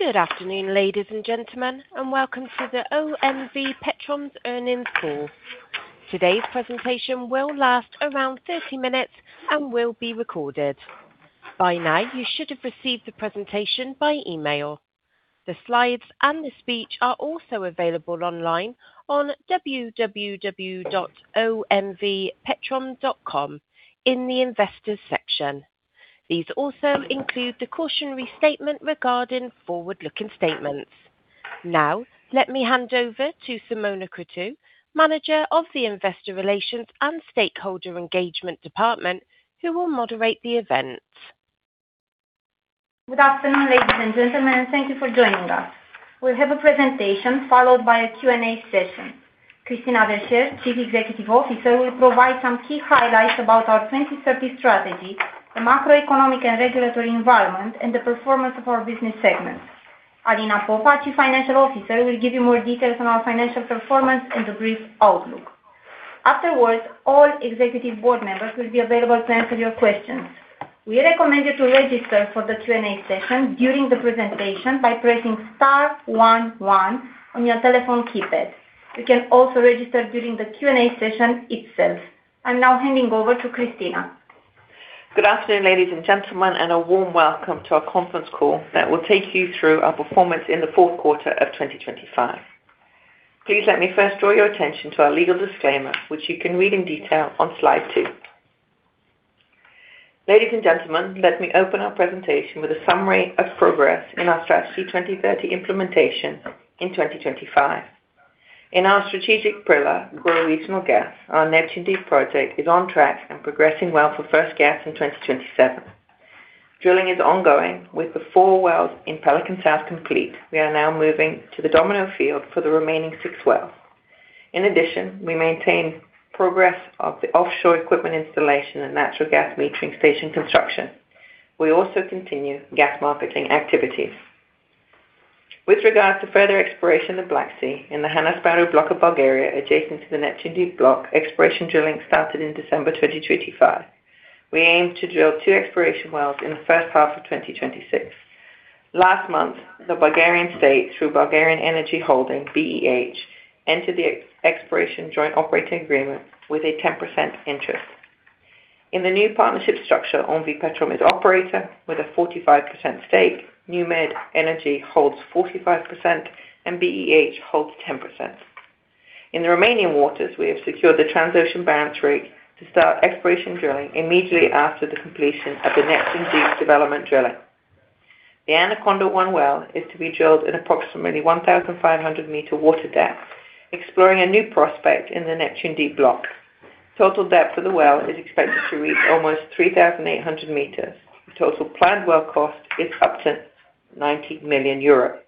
Good afternoon, ladies and gentlemen, and welcome to the OMV Petrom's Earnings Call. Today's presentation will last around 30 minutes and will be recorded. By now, you should have received the presentation by email. The slides and the speech are also available online on www.omvpetrom.com in the Investors section. These also include the cautionary statement regarding forward-looking statements. Now, let me hand over to Simona Cruțu, Manager of the Investor Relations and Stakeholder Engagement Department, who will moderate the event. Good afternoon, ladies and gentlemen, and thank you for joining us. We'll have a presentation followed by a Q&A session. Christina Verchere, Chief Executive Officer, will provide some key highlights about our 2030 strategy, the macroeconomic and regulatory environment, and the performance of our business segments. Alina Popa, Chief Financial Officer, will give you more details on our financial performance and the brief outlook. Afterwards, all executive board members will be available to answer your questions. We recommend you to register for the Q&A session during the presentation by pressing star one one on your telephone keypad. You can also register during the Q&A session itself. I'm now handing over to Christina. Good afternoon, ladies and gentlemen, and a warm welcome to our conference call that will take you through our performance in the fourth quarter of 2025. Please let me first draw your attention to our legal disclaimer, which you can read in detail on slide 2. Ladies and gentlemen, let me open our presentation with a summary of progress in our Strategy 2030 implementation in 2025. In our strategic pillar for regional gas, our Neptun Deep project is on track and progressing well for first gas in 2027. Drilling is ongoing with the 4 wells in Pelican South complete. We are now moving to the Domino Field for the remaining 6 wells. In addition, we maintain progress of the offshore equipment installation and natural gas metering station construction. We also continue gas marketing activities. With regard to further exploration of the Black Sea in the Han Asparuh block of Bulgaria, adjacent to the Neptun Deep block, exploration drilling started in December 2025. We aim to drill two exploration wells in the first half of 2026. Last month, the Bulgarian state, through Bulgarian Energy Holding, BEH, entered the exploration joint operating agreement with a 10% interest. In the new partnership structure, OMV Petrom is operator with a 45% stake, NewMed Energy holds 45%, and BEH holds 10%. In the remaining waters, we have secured the Transocean Barents rig to start exploration drilling immediately after the completion of the Neptun Deep development drilling. The Anaconda-1 well is to be drilled in approximately 1,500-meter water depth, exploring a new prospect in the Neptun Deep block. Total depth of the well is expected to reach almost 3,800 meters. The total planned well cost is up to 90 million euros.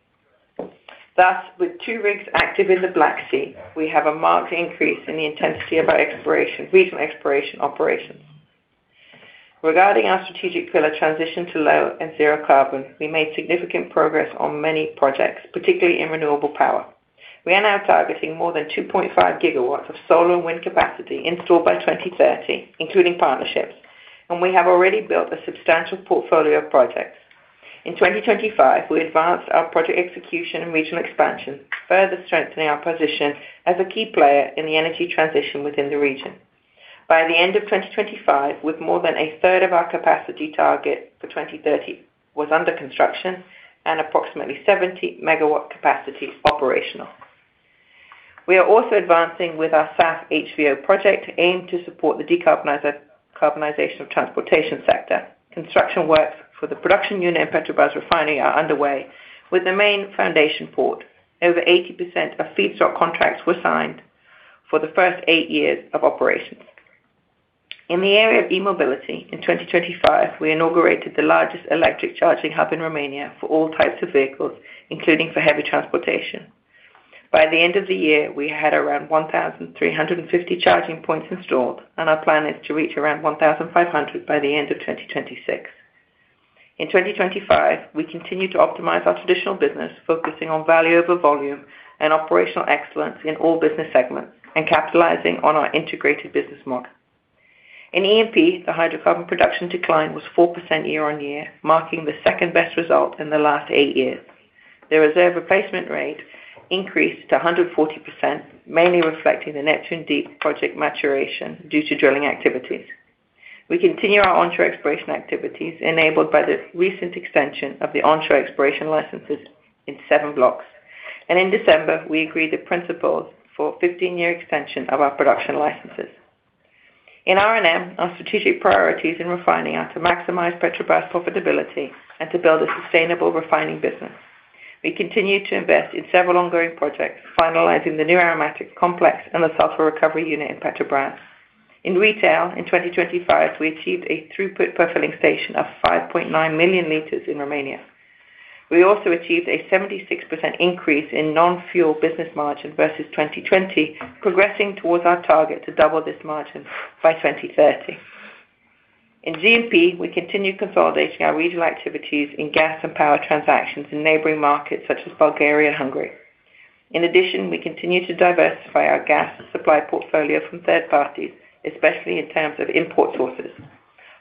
Thus, with 2 rigs active in the Black Sea, we have a marked increase in the intensity of our exploration, regional exploration operations. Regarding our strategic pillar transition to low and zero carbon, we made significant progress on many projects, particularly in renewable power. We are now targeting more than 2.5 gigawatts of solar and wind capacity installed by 2030, including partnerships, and we have already built a substantial portfolio of projects. In 2025, we advanced our project execution and regional expansion, further strengthening our position as a key player in the energy transition within the region. By the end of 2025, with more than a third of our capacity target for 2030 was under construction and approximately 70 MW capacity operational. We are also advancing with our SAF/HVO project, aimed to support the decarbonization of transportation sector. Construction works for the production unit in Petrobrazi Refinery are underway with the main foundation poured. Over 80% of feedstock contracts were signed for the first eight years of operations. In the area of e-mobility in 2025, we inaugurated the largest electric charging hub in Romania for all types of vehicles, including for heavy transportation. By the end of the year, we had around 1,350 charging points installed, and our plan is to reach around 1,500 by the end of 2026. In 2025, we continued to optimize our traditional business, focusing on value over volume and operational excellence in all business segments and capitalizing on our integrated business model. In E&P, the hydrocarbon production decline was 4% year-on-year, marking the second-best result in the last 8 years. The reserve replacement rate increased to 140%, mainly reflecting the Neptun Deep project maturation due to drilling activities. We continue our onshore exploration activities, enabled by the recent extension of the onshore exploration licenses in 7 blocks, and in December, we agreed the principles for a 15-year extension of our production licenses. In R&M, our strategic priorities in refining are to maximize Petrobrazi profitability and to build a sustainable refining business. We continue to invest in several ongoing projects, finalizing the new aromatic complex and the sulfur recovery unit in Petrobrazi. In retail, in 2025, we achieved a throughput per filling station of 5.9 million liters in Romania. We also achieved a 76% increase in non-fuel business margin versus 2020, progressing towards our target to double this margin by 2030. In G&P, we continued consolidating our regional activities in gas and power transactions in neighboring markets such as Bulgaria and Hungary. In addition, we continue to diversify our gas supply portfolio from third parties, especially in terms of import sources.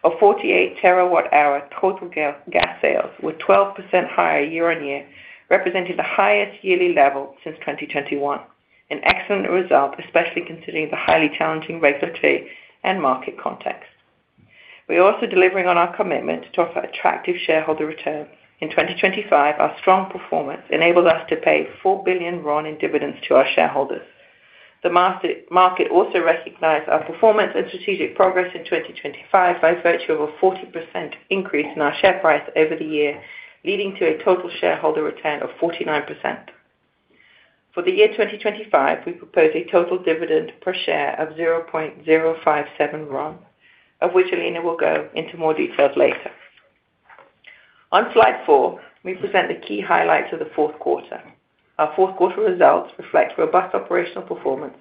Our 48 terawatt hour total gas, gas sales were 12% higher year-on-year, representing the highest yearly level since 2021. An excellent result, especially considering the highly challenging regulatory and market context. We are also delivering on our commitment to offer attractive shareholder returns. In 2025, our strong performance enabled us to pay RON 4 billion in dividends to our shareholders. The market also recognized our performance and strategic progress in 2025, by virtue of a 40% increase in our share price over the year, leading to a total shareholder return of 49%. For the year 2025, we propose a total dividend per share of 0.057 RON, of which Alina will go into more details later. On slide 4, we present the key highlights of the fourth quarter. Our fourth quarter results reflect robust operational performance,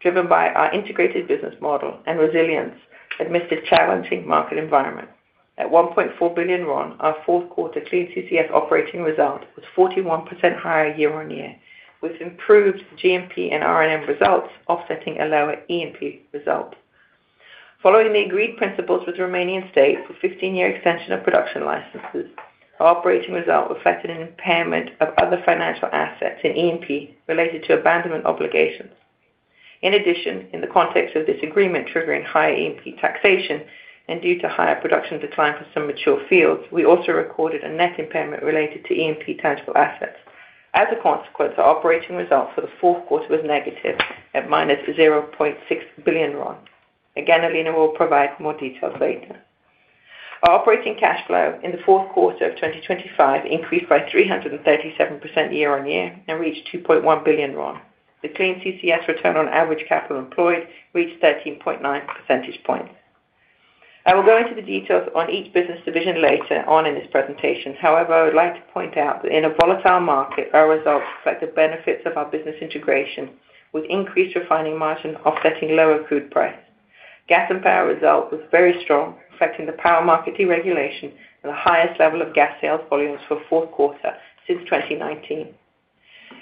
driven by our integrated business model and resilience amidst a challenging market environment. At RON 1.4 billion, our fourth quarter Clean CCS Operating Result was 41% higher year-on-year, with improved G&P and R&M results offsetting a lower E&P result. Following the agreed principles with the Romanian state for 15-year extension of production licenses, our operating result reflected an impairment of other financial assets in E&P related to abandonment obligations. In addition, in the context of this agreement, triggering higher E&P taxation and due to higher production decline for some mature fields, we also recorded a net impairment related to E&P tangible assets. As a consequence, our operating results for the fourth quarter was negative at RON -0.6 billion. Again, Alina will provide more details later. Our operating cash flow in the fourth quarter of 2025 increased by 337% year-on-year and reached RON 2.1 billion. The Clean CCS return on average capital employed reached 13.9 percentage points. I will go into the details on each business division later on in this presentation. However, I would like to point out that in a volatile market, our results reflect the benefits of our business integration, with increased refining margin offsetting lower crude price. Gas and power result was very strong, reflecting the power market deregulation and the highest level of gas sales volumes for fourth quarter since 2019.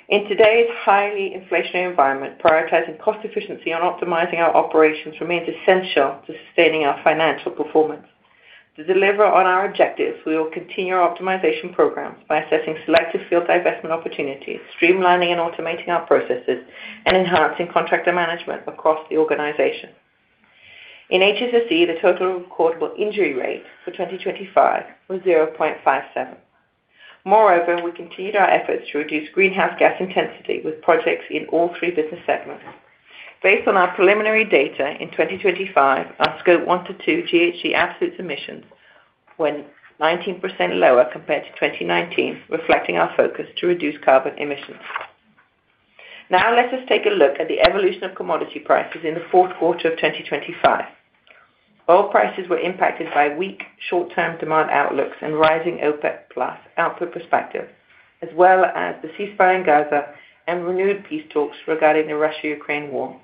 In today's highly inflationary environment, prioritizing cost efficiency and optimizing our operations remains essential to sustaining our financial performance. To deliver on our objectives, we will continue our optimization programs by assessing selective field divestment opportunities, streamlining and automating our processes, and enhancing contractor management across the organization. In HSSE, the Total Recordable Injury Rate for 2025 was 0.57. Moreover, we continued our efforts to reduce greenhouse gas intensity with projects in all three business segments. Based on our preliminary data in 2025, our Scope 1 to 2 GHG absolute emissions went 19% lower compared to 2019, reflecting our focus to reduce carbon emissions. Now, let us take a look at the evolution of commodity prices in the fourth quarter of 2025. Oil prices were impacted by weak short-term demand outlooks and rising OPEC+ output perspective, as well as the ceasefire in Gaza and renewed peace talks regarding the Russia-Ukraine war.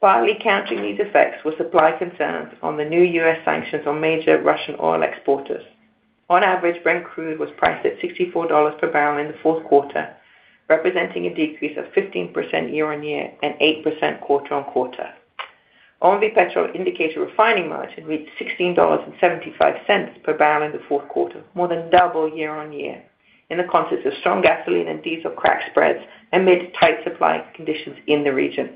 While countering these effects were supply concerns on the new U.S. sanctions on major Russian oil exporters. On average, Brent Crude was priced at $64 per barrel in the fourth quarter, representing a decrease of 15% year-on-year and 8% quarter-on-quarter. OMV Petrom indicated a refining margin with $16.75 per barrel in the fourth quarter, more than double year-on-year, in the context of strong gasoline and diesel crack spreads amid tight supply conditions in the region.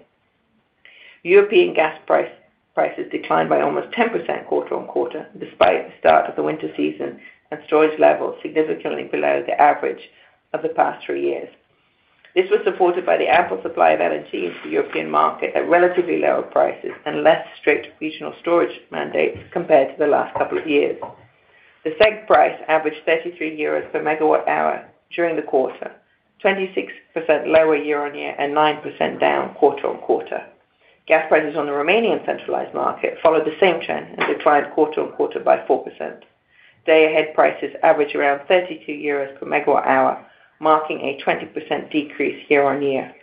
European gas prices declined by almost 10% quarter-on-quarter, despite the start of the winter season and storage levels significantly below the average of the past three years. This was supported by the ample supply of LNG into the European market at relatively lower prices and less strict regional storage mandates compared to the last couple of years. The CEGH price averaged 33 euros per MWh during the quarter, 26% lower year-on-year and 9% down quarter-on-quarter. Gas prices on the Romanian centralized market followed the same trend and declined quarter-on-quarter by 4%. Day-ahead prices average around 32 euros per MWh, marking a 20% decrease year-on-year.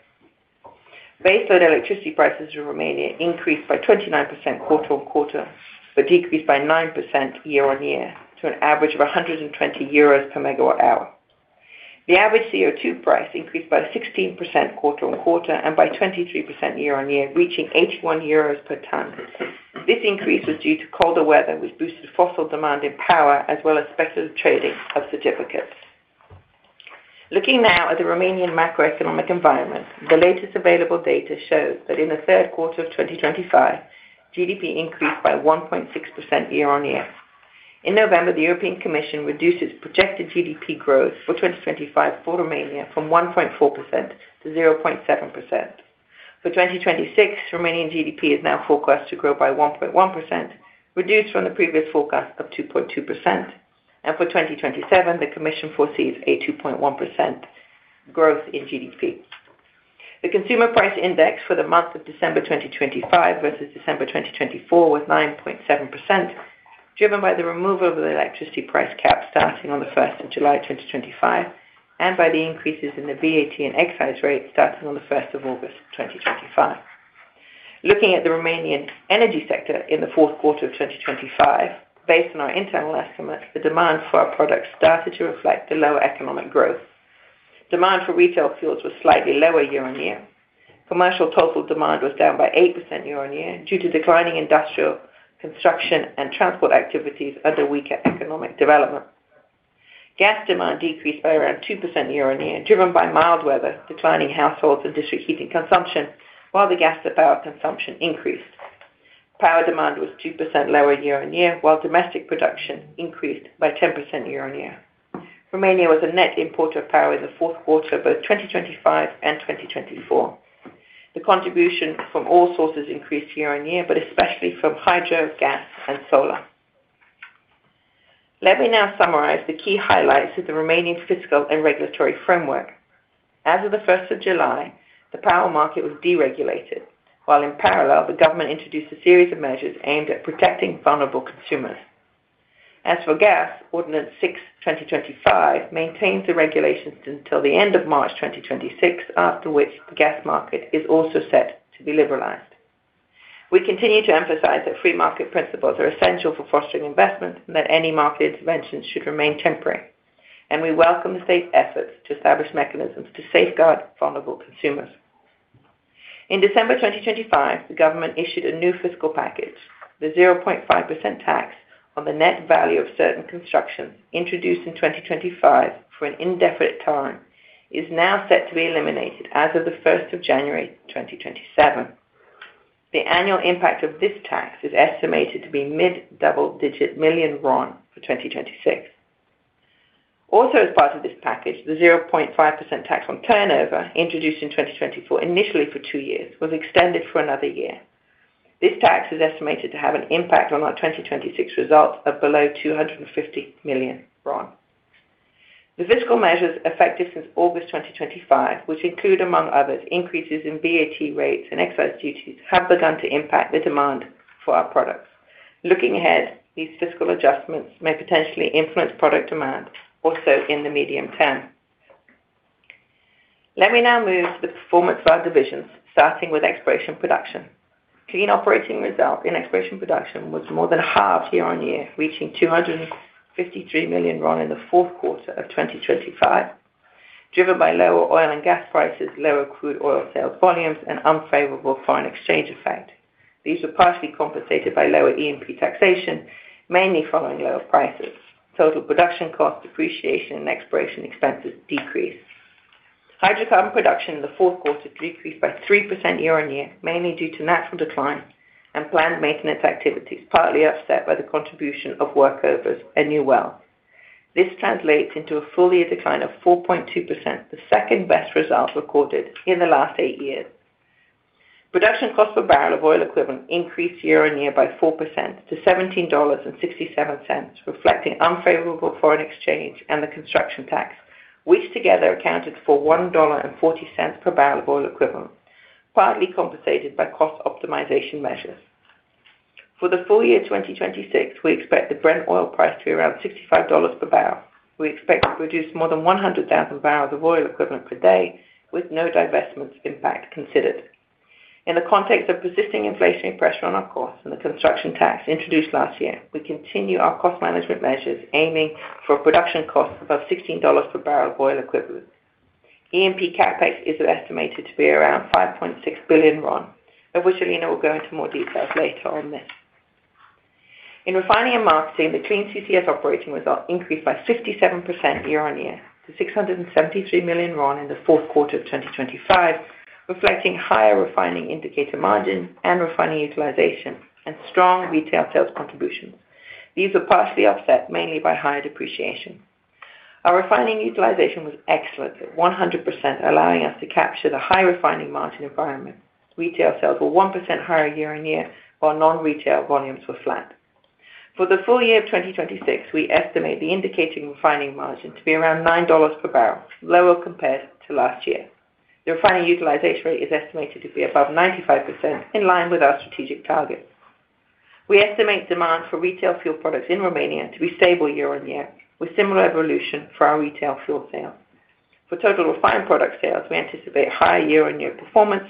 Based on electricity prices, Romania increased by 29% quarter-on-quarter, but decreased by 9% year-on-year, to an average of 120 euros per megawatt hour. The average CO2 price increased by 16% quarter-on-quarter and by 23% year-on-year, reaching 81 euros per ton. This increase was due to colder weather, which boosted fossil demand in power, as well as speculative trading of certificates. Looking now at the Romanian macroeconomic environment, the latest available data shows that in the third quarter of 2025, GDP increased by 1.6% year-on-year. In November, the European Commission reduced its projected GDP growth for 2025 for Romania, from 1.4% to 0.7%. For 2026, Romanian GDP is now forecast to grow by 1.1%, reduced from the previous forecast of 2.2%, and for 2027, the commission foresees a 2.1% growth in GDP. The consumer price index for the month of December 2025 versus December 2024 was 9.7%, driven by the removal of the electricity price cap starting on July 1, 2025, and by the increases in the VAT and excise rate starting on the first of August, 2025.... Looking at the Romanian energy sector in the fourth quarter of 2025, based on our internal estimate, the demand for our products started to reflect the lower economic growth. Demand for retail fuels was slightly lower year-on-year. Commercial total demand was down by 8% year-over-year due to declining industrial, construction, and transport activities under weaker economic development. Gas demand decreased by around 2% year-over-year, driven by mild weather, declining households and district heating consumption, while the gas to power consumption increased. Power demand was 2% lower year-over-year, while domestic production increased by 10% year-over-year. Romania was a net importer of power in the fourth quarter of both 2025 and 2024. The contribution from all sources increased year-over-year, but especially from hydro, gas, and solar. Let me now summarize the key highlights of the Romanian fiscal and regulatory framework. As of the first of July, the power market was deregulated, while in parallel, the government introduced a series of measures aimed at protecting vulnerable consumers. As for gas, Ordinance 620/2025 maintains the regulations until the end of March 2026, after which the gas market is also set to be liberalized. We continue to emphasize that free market principles are essential for fostering investment, and that any market interventions should remain temporary, and we welcome the state's efforts to establish mechanisms to safeguard vulnerable consumers. In December 2025, the government issued a new fiscal package. The 0.5% tax on the net value of certain construction, introduced in 2025 for an indefinite time, is now set to be eliminated as of the first of January 2027. The annual impact of this tax is estimated to be mid-double-digit million RON for 2026. Also, as part of this package, the 0.5% tax on turnover, introduced in 2024, initially for two years, was extended for another year. This tax is estimated to have an impact on our 2026 results of below RON 250 million. The fiscal measures effective since August 2025, which include, among others, increases in VAT rates and excise duties, have begun to impact the demand for our products. Looking ahead, these fiscal adjustments may potentially influence product demand also in the medium term. Let me now move to the performance of our divisions, starting with exploration production. Clean operating result in exploration production was more than halved year-on-year, reaching RON 253 million in the fourth quarter of 2025, driven by lower oil and gas prices, lower crude oil sales volumes, and unfavorable foreign exchange effect. These were partially compensated by lower E&P taxation, mainly following lower prices. Total production cost, depreciation, and exploration expenses decreased. Hydrocarbon production in the fourth quarter decreased by 3% year-on-year, mainly due to natural decline and planned maintenance activities, partly offset by the contribution of workovers and new wells. This translates into a full year decline of 4.2%, the second-best result recorded in the last 8 years. Production cost per barrel of oil equivalent increased year-on-year by 4% to $17.67, reflecting unfavorable foreign exchange and the construction tax, which together accounted for $1.40 per barrel of oil equivalent, partly compensated by cost optimization measures. For the full year 2026, we expect the Brent oil price to be around $65 per barrel. We expect to produce more than 100,000 barrels of oil equivalent per day, with no divestments impact considered. In the context of persisting inflationary pressure on our costs and the construction tax introduced last year, we continue our cost management measures, aiming for a production cost above $16 per barrel of oil equivalent. E&P CapEx is estimated to be around RON 5.6 billion, of which Alina will go into more details later on this. In refining and marketing, the Clean CCS Operating Result increased by 57% year-on-year to RON 673 million in the fourth quarter of 2025, reflecting higher refining indicator margin and refining utilization and strong retail sales contributions. These were partially offset, mainly by higher depreciation. Our refining utilization was excellent at 100%, allowing us to capture the high refining margin environment. Retail sales were 1% higher year-on-year, while non-retail volumes were flat. For the full year of 2026, we estimate the indicated refining margin to be around $9 per barrel, lower compared to last year. The refining utilization rate is estimated to be above 95%, in line with our strategic targets. We estimate demand for retail fuel products in Romania to be stable year-on-year, with similar evolution for our retail fuel sales. For total refined product sales, we anticipate higher year-on-year performance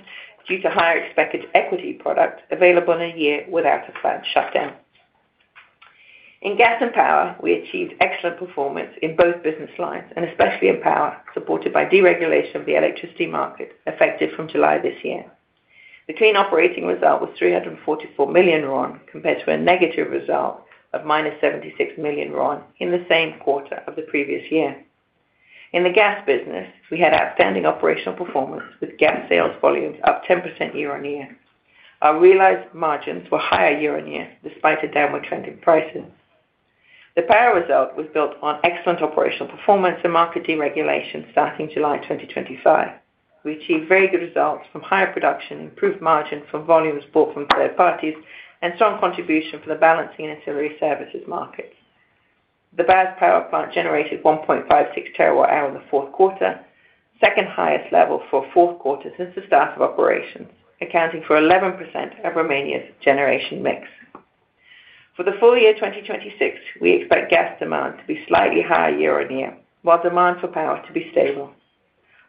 due to higher expected equity product available in a year without a planned shutdown. In gas and power, we achieved excellent performance in both business lines, and especially in power, supported by deregulation of the electricity market, effective from July this year. The clean operating result was RON 344 million, compared to a negative result of RON -76 million in the same quarter of the previous year. In the gas business, we had outstanding operational performance, with gas sales volumes up 10% year-on-year. Our realized margins were higher year-on-year, despite a downward trend in prices. The power result was built on excellent operational performance and market deregulation starting July 2025. We achieved very good results from higher production, improved margin from volume bought from third parties, and strong contribution from the balancing and ancillary services markets. The Brazi Power Plant generated 1.56 terawatt-hours in the fourth quarter, second highest level for fourth quarter since the start of operations, accounting for 11% of Romania's generation mix. For the full year 2026, we expect gas demand to be slightly higher year-on-year, while demand for power to be stable.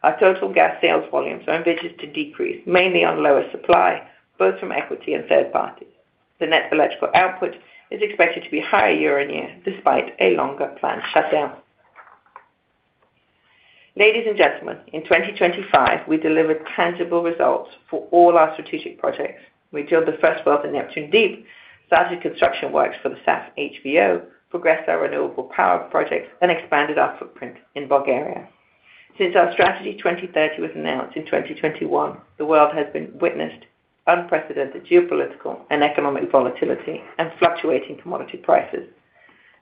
Our total gas sales volumes are envisaged to decrease, mainly on lower supply, both from equity and third parties. The net electrical output is expected to be higher year-on-year, despite a longer planned shutdown. Ladies and gentlemen, in 2025, we delivered tangible results for all our strategic projects. We drilled the first well at Neptun Deep, started construction works for the SAF/HVO, progressed our renewable power projects, and expanded our footprint in Bulgaria. Since our strategy 2030 was announced in 2021, the world has been witnessed unprecedented geopolitical and economic volatility and fluctuating commodity prices.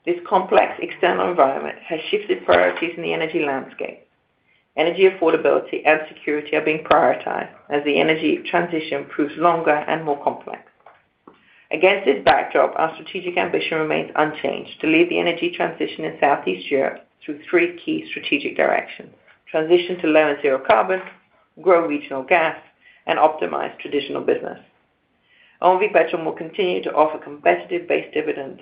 This complex external environment has shifted priorities in the energy landscape. Energy affordability and security are being prioritized as the energy transition proves longer and more complex. Against this backdrop, our strategic ambition remains unchanged: to lead the energy transition in Southeast Europe through three key strategic directions, transition to low and zero carbon, grow regional gas, and optimize traditional business. OMV Petrom will continue to offer competitive base dividends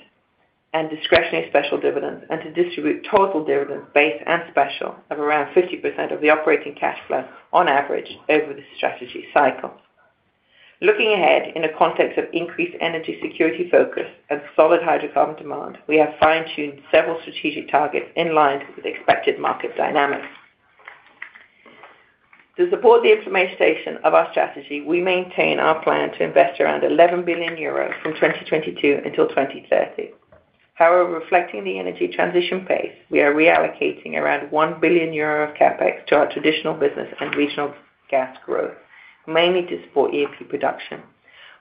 and discretionary special dividends, and to distribute total dividends, base and special, of around 50% of the operating cash flow on average over the strategy cycle. Looking ahead, in the context of increased energy security focus and solid hydrocarbon demand, we have fine-tuned several strategic targets in line with expected market dynamics. To support the implementation of our strategy, we maintain our plan to invest around 11 billion euros from 2022 until 2030. However, reflecting the energy transition pace, we are reallocating around 1 billion euro of CapEx to our traditional business and regional gas growth, mainly to support E&P production.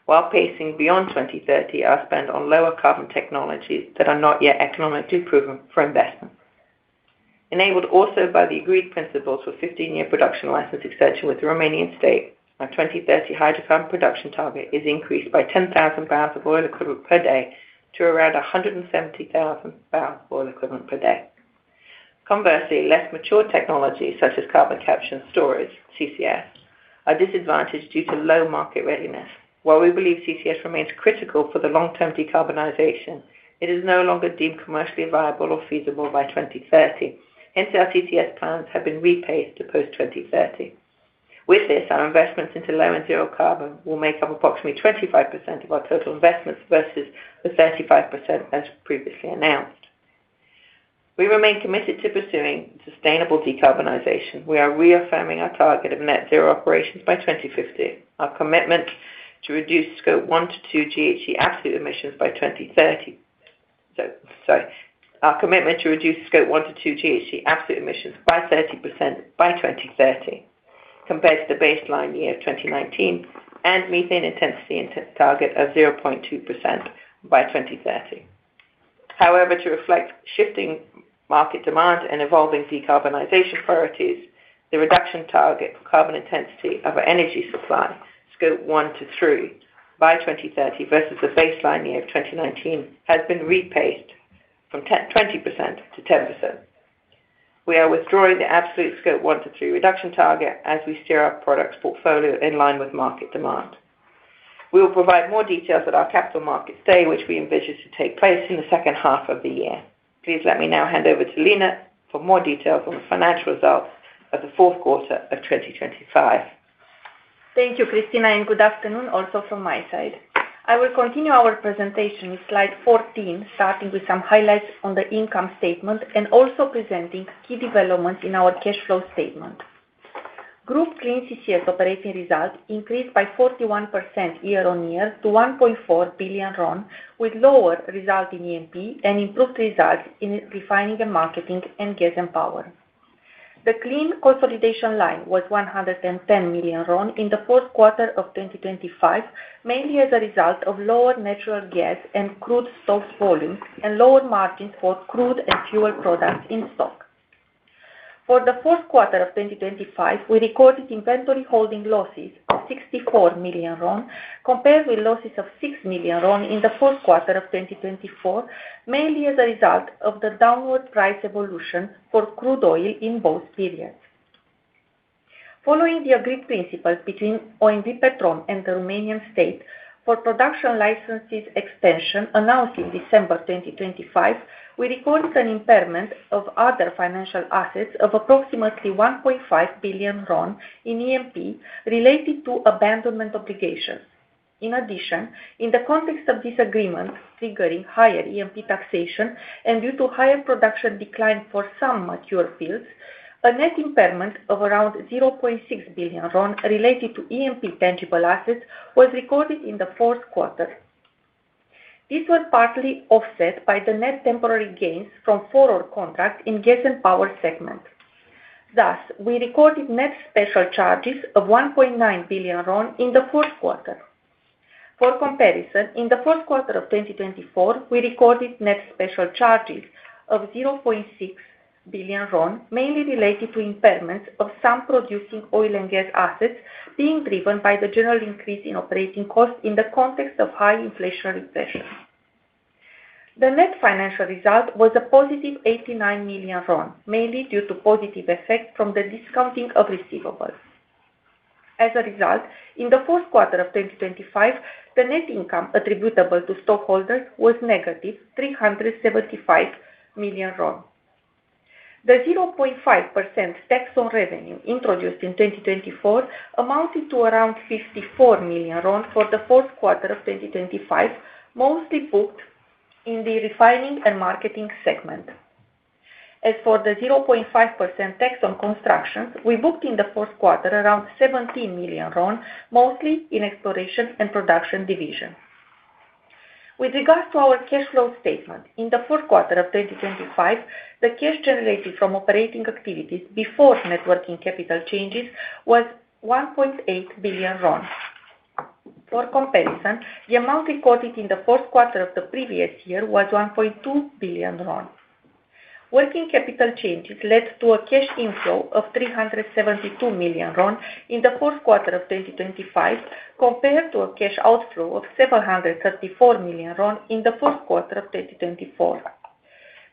While CapEx beyond 2030 are spent on lower carbon technologies that are not yet economically proven for investment. Enabled also by the agreed principles for 15-year production license extension with the Romanian state, our 2030 hydrocarbon production target is increased by 10,000 barrels of oil equivalent per day to around 170,000 barrels of oil equivalent per day. Conversely, less mature technologies such as carbon capture and storage, CCS, are disadvantaged due to low market readiness. While we believe CCS remains critical for the long-term decarbonization, it is no longer deemed commercially viable or feasible by 2030. Hence, our CCS plans have been replaced to post-2030. With this, our investments into low and zero carbon will make up approximately 25% of our total investments, versus the 35% as previously announced. We remain committed to pursuing sustainable decarbonization. We are reaffirming our target of net zero operations by 2050. Our commitment to reduce scope one to two GHG absolute emissions by 2030. So, sorry. Our commitment to reduce scope one to two GHG absolute emissions by 30% by 2030, compared to the baseline year of 2019, and methane intensity target of 0.2% by 2030. However, to reflect shifting market demand and evolving decarbonization priorities, the reduction target for carbon intensity of our energy supply, Scope 1 to 3 by 2030 versus the baseline year of 2019, has been replaced from 10-20% to 10%. We are withdrawing the absolute Scope 1 to 3 reduction target as we steer our products portfolio in line with market demand. We will provide more details at our Capital Markets Day, which we envision to take place in the second half of the year. Please let me now hand over to Alina for more details on the financial results of the fourth quarter of 2025. Thank you, Christina, and good afternoon also from my side. I will continue our presentation with slide 14, starting with some highlights on the income statement and also presenting key developments in our cash flow statement. Group Clean CCS Operating Result increased by 41% year-on-year to RON 1.4 billion, with lower resulting E&P and improved results in refining and marketing, and gas and power. The clean consolidation line was RON 110 million in the fourth quarter of 2025, mainly as a result of lower natural gas and crude stock volumes and lower margins for crude and fuel products in stock. For the fourth quarter of 2025, we recorded inventory holding losses of RON 64 million, compared with losses of RON 6 million in the fourth quarter of 2024, mainly as the result of the downward price evolution for crude oil in both periods. Following the agreed principles between OMV Petrom and the Romanian state for production licenses extension announced in December 2025, we recorded an impairment of other financial assets of approximately RON 1.5 billion in E&P related to abandonment obligations. In addition, in the context of this agreement, triggering higher E&P taxation and due to higher production decline for some mature fields, a net impairment of around RON 0.6 billion related to E&P tangible assets was recorded in the fourth quarter. This was partly offset by the net temporary gains from forward contracts in gas and power segment. Thus, we recorded net special charges of RON 1.9 billion in the fourth quarter. For comparison, in the fourth quarter of 2024, we recorded net special charges of RON 0.6 billion, mainly related to impairments of some producing oil and gas assets, being driven by the general increase in operating costs in the context of high inflationary pressures. The net financial result was a positive RON 89 million, mainly due to positive effect from the discounting of receivables. As a result, in the fourth quarter of 2025, the net income attributable to stockholders was negative RON 375 million. The 0.5% tax on revenue introduced in 2024 amounted to around RON 54 million for the fourth quarter of 2025, mostly booked in the refining and marketing segment. As for the 0.5% tax on construction, we booked in the fourth quarter around RON 17 million, mostly in exploration and production division. With regard to our cash flow statement, in the fourth quarter of 2025, the cash generated from operating activities before net working capital changes was RON 1.8 billion. For comparison, the amount recorded in the fourth quarter of the previous year was RON 1.2 billion. Working capital changes led to a cash inflow of RON 372 million in the fourth quarter of 2025, compared to a cash outflow of RON 734 million in the fourth quarter of 2024.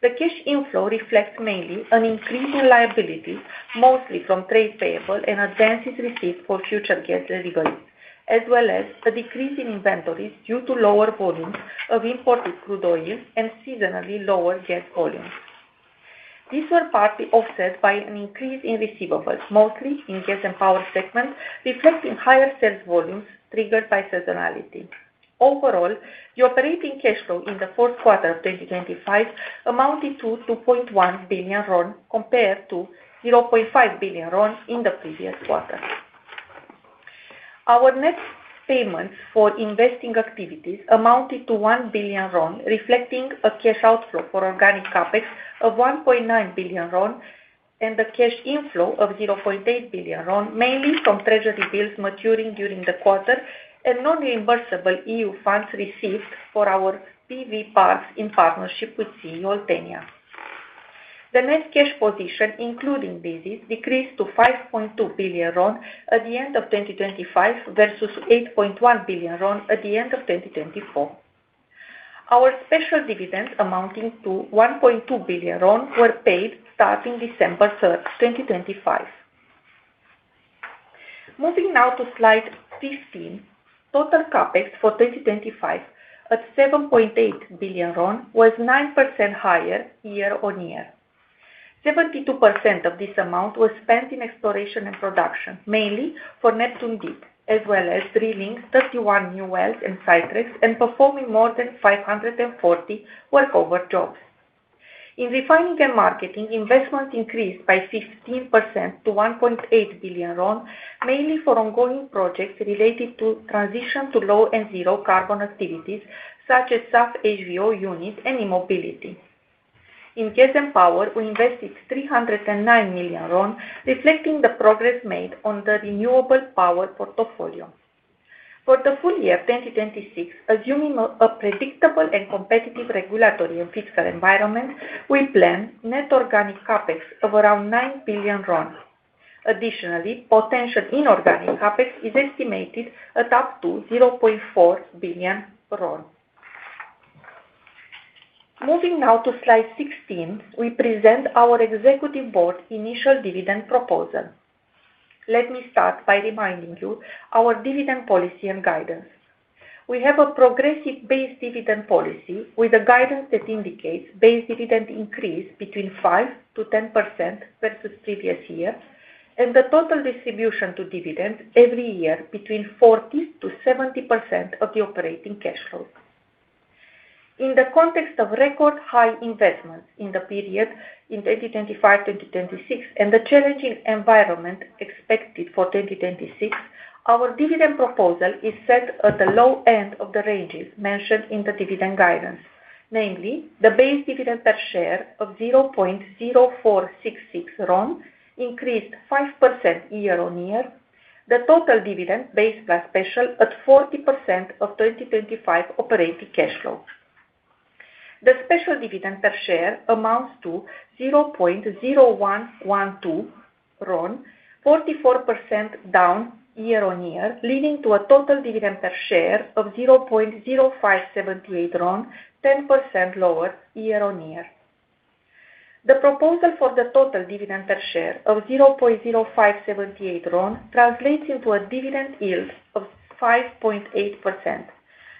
The cash inflow reflects mainly an increase in liabilities, mostly from trade payable and advances received for future gas delivery, as well as a decrease in inventories due to lower volumes of imported crude oil and seasonally lower gas volumes. These were partly offset by an increase in receivables, mostly in gas and power segment, reflecting higher sales volumes triggered by seasonality. Overall, the operating cash flow in the fourth quarter of 2025 amounted to RON 2.1 billion, compared to RON 0.5 billion in the previous quarter. Our net payments for investing activities amounted to RON 1 billion, reflecting a cash outflow for organic CapEx of RON 1.9 billion and a cash inflow of RON 0.8 billion, mainly from treasury bills maturing during the quarter and non-reimbursable EU funds received for our PV parks in partnership with CE Oltenia. The net cash position, including these, decreased to RON 5.2 billion at the end of 2025 versus RON 8.1 billion at the end of 2024. Our special dividends, amounting to RON 1.2 billion, were paid starting December 3, 2025. Moving now to slide 15. Total CapEx for 2025 at RON 7.8 billion was 9% higher year-on-year. 72% of this amount was spent in exploration and production, mainly for Neptun Deep, as well as drilling 31 new wells in Ciuresti and performing more than 540 workover jobs. In refining and marketing, investments increased by 15% to RON 1.8 billion, mainly for ongoing projects related to transition to low and zero carbon activities, such as SAF-HVO units and e-mobility. In gas and power, we invested RON 309 million, reflecting the progress made on the renewable power portfolio. For the full year 2026, assuming a predictable and competitive regulatory and fiscal environment, we plan net organic CapEx of around RON 9 billion. Additionally, potential inorganic CapEx is estimated at up to RON 0.4 billion. Moving now to slide 16, we present our executive board initial dividend proposal. Let me start by reminding you our dividend policy and guidance. We have a progressive base dividend policy with a guidance that indicates base dividend increase between 5%-10% versus previous year, and the total distribution to dividend every year between 40%-70% of the operating cash flow. In the context of record-high investments in the period in 2025, 2026, and the challenging environment expected for 2026, our dividend proposal is set at the low end of the ranges mentioned in the dividend guidance, namely the base dividend per share of 0.0466 RON increased 5% year-on-year. The total dividend, base plus special, at 40% of 2025 operating cash flow. The special dividend per share amounts to 0.0112 RON, 44% down year-on-year, leading to a total dividend per share of 0.0578 RON, 10% lower year-on-year. The proposal for the total dividend per share of 0.0578 RON translates into a dividend yield of 5.8%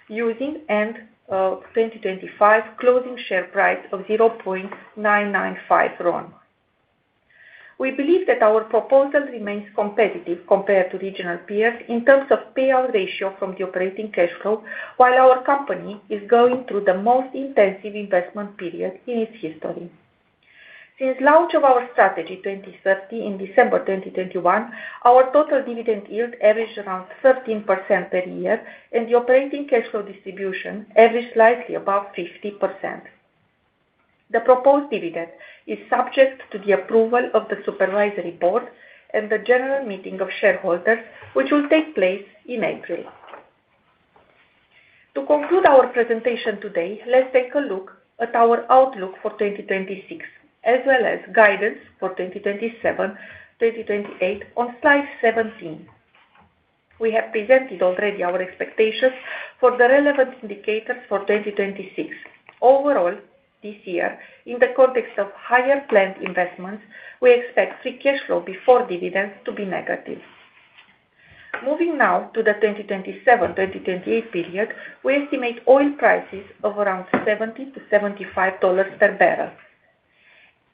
using end 2025 closing share price of 0.995 RON. We believe that our proposal remains competitive compared to regional peers in terms of payout ratio from the operating cash flow, while our company is going through the most intensive investment period in its history. Since launch of our strategy 2030, in December 2021, our total dividend yield averaged around 13% per year, and the operating cash flow distribution averaged slightly above 50%. The proposed dividend is subject to the approval of the supervisory board and the general meeting of shareholders, which will take place in April. To conclude our presentation today, let's take a look at our outlook for 2026, as well as guidance for 2027, 2028, on slide 17. We have presented already our expectations for the relevant indicators for 2026. Overall, this year, in the context of higher planned investments, we expect free cash flow before dividends to be negative. Moving now to the 2027-2028 period, we estimate oil prices of around $70-$75 per barrel.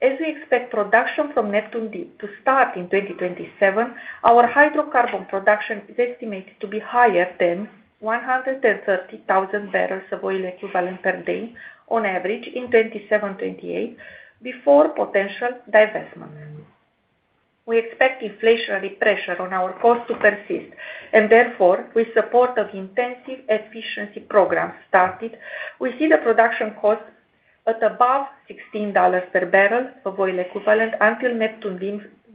As we expect production from Neptun Deep to start in 2027, our hydrocarbon production is estimated to be higher than 130,000 barrels of oil equivalent per day on average in 2027-2028, before potential divestment. We expect inflationary pressure on our costs to persist, and therefore, with support of intensive efficiency program started, we see the production cost at above $16 per barrel of oil equivalent until Neptun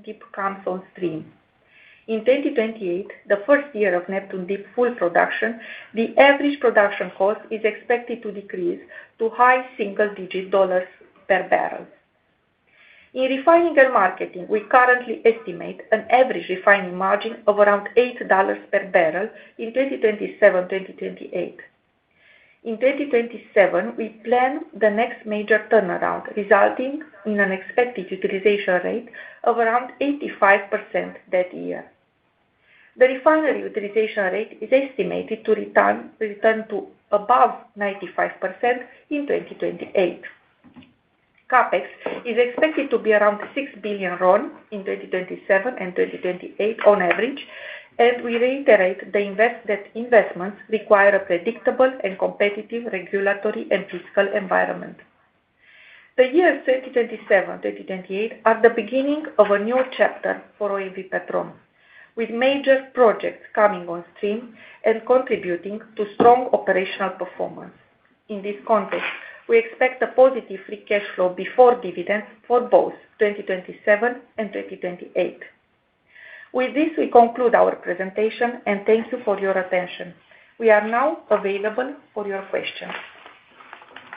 Deep comes on stream. In 2028, the first year of Neptun Deep full production, the average production cost is expected to decrease to high single-digit $ per barrel. In refining and marketing, we currently estimate an average refining margin of around $8 per barrel in 2027-2028. In 2027, we plan the next major turnaround, resulting in an expected utilization rate of around 85% that year. The refinery utilization rate is estimated to return to above 95% in 2028. CapEx is expected to be around RON 6 billion in 2027 and 2028 on average, and we reiterate that investments require a predictable and competitive regulatory and fiscal environment. The years 2027, 2028, are the beginning of a new chapter for OMV Petrom, with major projects coming on stream and contributing to strong operational performance. In this context, we expect a positive free cash flow before dividends for both 2027 and 2028. With this, we conclude our presentation, and thank you for your attention. We are now available for your questions.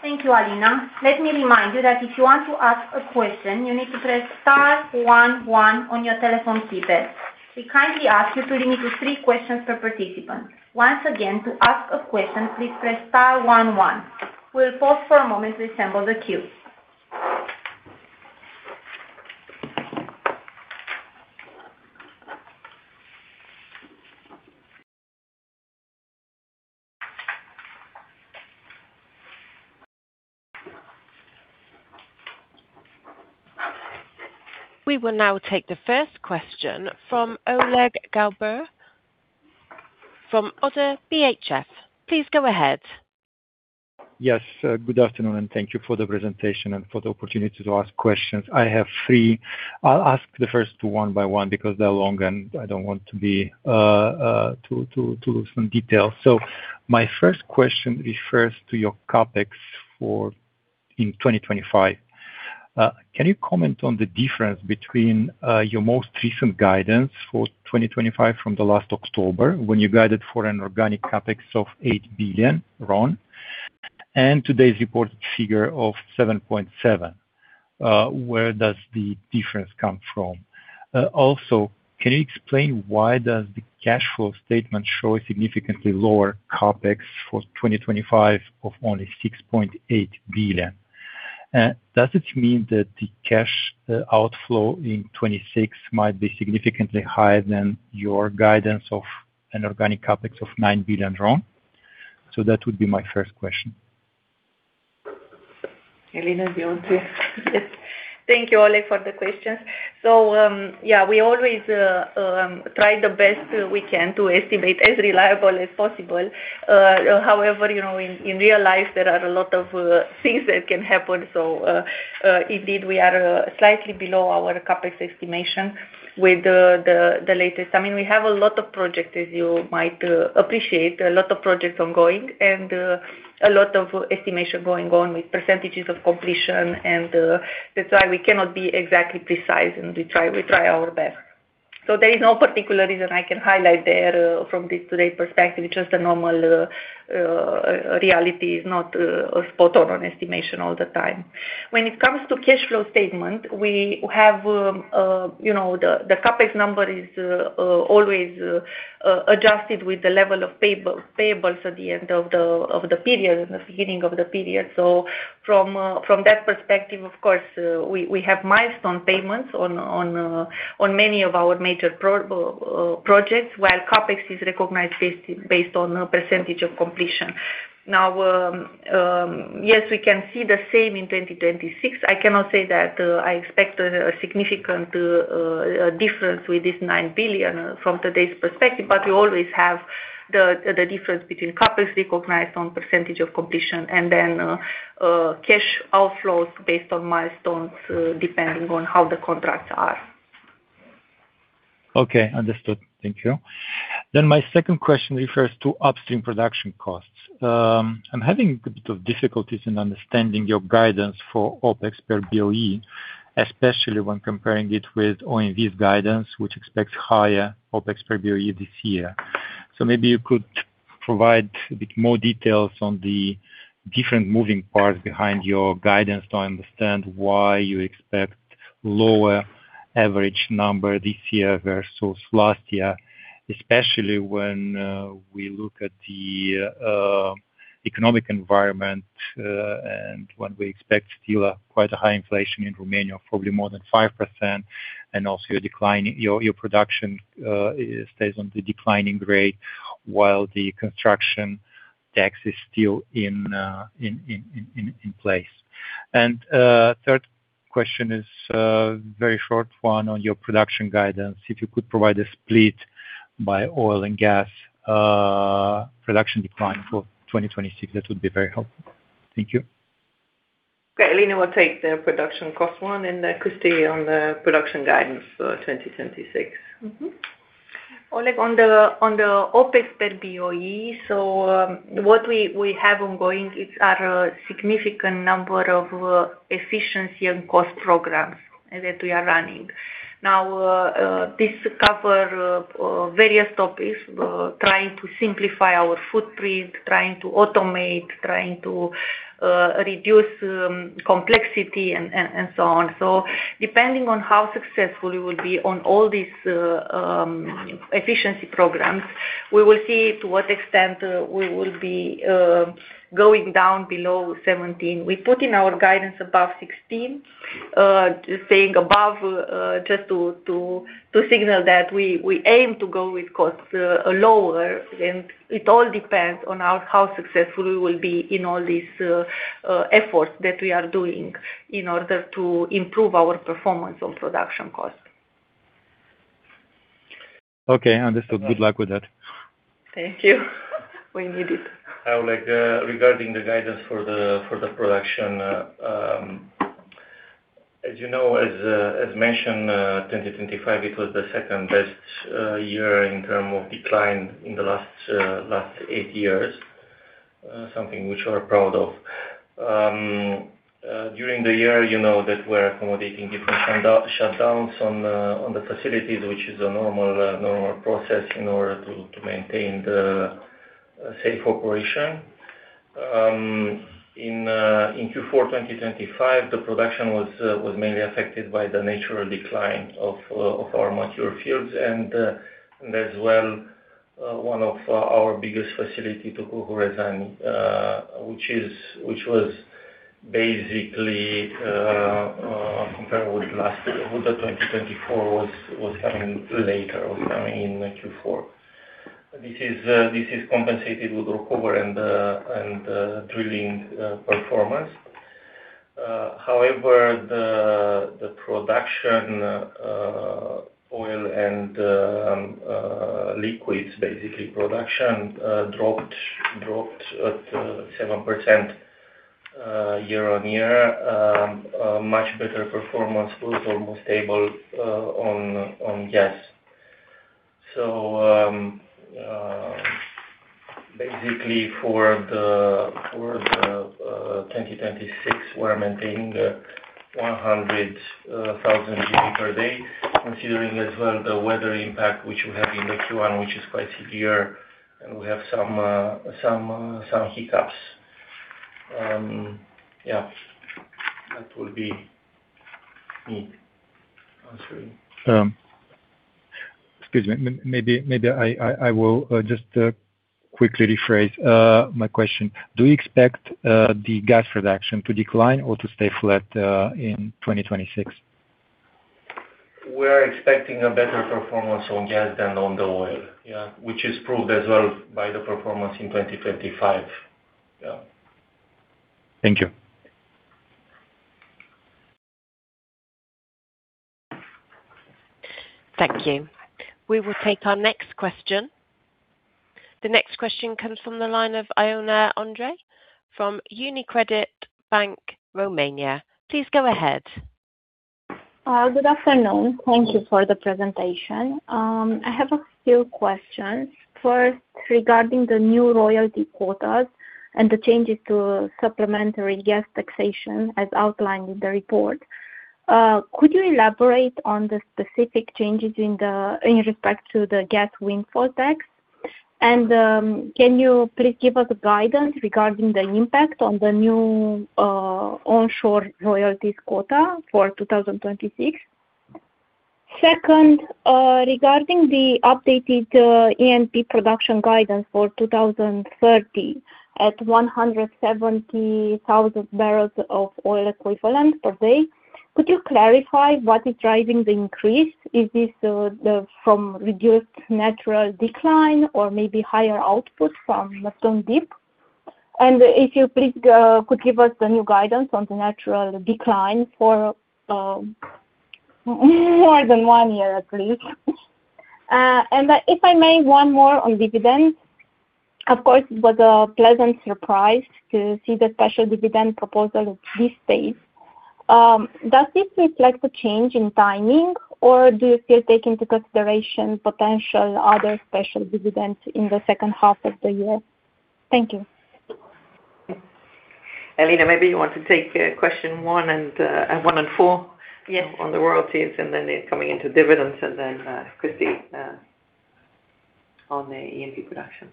Thank you, Alina. Let me remind you that if you want to ask a question, you need to press star one one on your telephone keypad. We kindly ask you to limit to three questions per participant. Once again, to ask a question, please press star one one. We'll pause for a moment to assemble the queue. We will now take the first question from Oleg Galbur from ODDO BHF. Please go ahead. Yes, good afternoon, and thank you for the presentation and for the opportunity to ask questions. I have three. I'll ask the first two one by one, because they're long and I don't want to lose some details. So my first question refers to your CapEx for 2025. Can you comment on the difference between your most recent guidance for 2025 from last October, when you guided for an organic CapEx of RON 8 billion, and today's reported figure of 7.7? Where does the difference come from? Also, can you explain why the cash flow statement shows a significantly lower CapEx for 2025 of only RON 6.8 billion? Does it mean that the cash outflow in 2026 might be significantly higher than your guidance of an organic CapEx of RON 9 billion? So that would be my first question. Alina, do you want to? Yes. Thank you, Oleg, for the questions. So, yeah, we always try the best we can to estimate as reliable as possible. However, you know, in real life, there are a lot of things that can happen. So, indeed, we are slightly below our CapEx estimation with the latest. I mean, we have a lot of projects, as you might appreciate, a lot of projects ongoing and a lot of estimation going on with percentages of completion, and that's why we cannot be exactly precise, and we try, we try our best. So there is no particular reason I can highlight there, from this today perspective, it's just a normal reality is not a spot on estimation all the time. When it comes to cash flow statement, we have, you know, the CapEx number is always adjusted with the level of payables at the end of the period and the beginning of the period. So from that perspective, of course, we have milestone payments on many of our major projects, while CapEx is recognized based on a percentage of completion. Now, yes, we can see the same in 2026. I cannot say that I expect a significant difference with this RON 9 billion from today's perspective, but we always have the difference between CapEx recognized on percentage of completion and then cash outflows based on milestones, depending on how the contracts are. Okay, understood. Thank you. Then my second question refers to upstream production costs. I'm having a bit of difficulties in understanding your guidance for OpEx per BOE, especially when comparing it with OMV's guidance, which expects higher OpEx per BOE this year. So maybe you could provide a bit more details on the different moving parts behind your guidance to understand why you expect lower average number this year versus last year, especially when we look at the economic environment, and when we expect still quite a high inflation in Romania, probably more than 5%, and also your production stays on the declining rate while the construction tax is still in place. And third question is very short one on your production guidance. If you could provide a split by oil and gas, production decline for 2026, that would be very helpful. Thank you. Okay, Alina will take the production cost one, and, Cristi on the production guidance for 2026. Mm-hmm. Oleg, on the BOE, what we have ongoing are a significant number of efficiency and cost programs that we are running. Now, this covers various topics, trying to simplify our footprint, trying to automate, trying to reduce complexity and so on. So depending on how successful we will be on all these efficiency programs, we will see to what extent we will be going down below 17. We put in our guidance above 16, saying above just to signal that we aim to go with costs lower, and it all depends on how successful we will be in all these efforts that we are doing in order to improve our performance on production cost. Okay, understood. Good luck with that. Thank you. We need it. I would like, regarding the guidance for the, for the production, as you know, as mentioned, 2025, it was the second best year in term of decline in the last eight years, something which we're proud of. During the year, you know, that we're accommodating different shutdowns on the facilities, which is a normal process in order to maintain the safe operation. In Q4 2025, the production was mainly affected by the natural decline of our mature fields and, as well, one of our biggest facility turnarounds, which was basically, compared with last year, with 2024 was coming later or coming in Q4. This is compensated with recovery and drilling performance. However, the production of oil and liquids basically dropped by 7% year-on-year. A much better performance was almost stable on gas. So basically for 2026, we're maintaining 100,000 cubic per day, considering as well the weather impact, which we have in Q1, which is quite severe, and we have some hiccups. Yeah, that will be me answering. Excuse me. Maybe I will just quickly rephrase my question. Do you expect the gas production to decline or to stay flat in 2026? We are expecting a better performance on gas than on the oil. Yeah, which is proved as well by the performance in 2025. Yeah. Thank you. Thank you. We will take our next question. The next question comes from the line of Ioana Andrei from UniCredit Bank, Romania. Please go ahead. Good afternoon. Thank you for the presentation. I have a few questions. First, regarding the new royalty quotas and the changes to supplementary gas taxation, as outlined in the report, could you elaborate on the specific changes in the, in respect to the gas windfall tax? And, can you please give us guidance regarding the impact on the new, onshore royalties quota for 2026? Second, regarding the updated, ENP production guidance for 2030, at 170,000 barrels of oil equivalent per day, could you clarify what is driving the increase? Is this, the, from reduced natural decline or maybe higher output from Neptun Deep? And if you please, could give us the new guidance on the natural decline for, more than one year, at least. And if I may, one more on dividends. Of course, it was a pleasant surprise to see the special dividend proposal at this stage. Does this reflect a change in timing, or do you still take into consideration potential other special dividends in the second half of the year? Thank you. Alina, maybe you want to take question one and four- Yes -on the royalties, and then coming into dividends, and then, Cristi.... on the E&P production.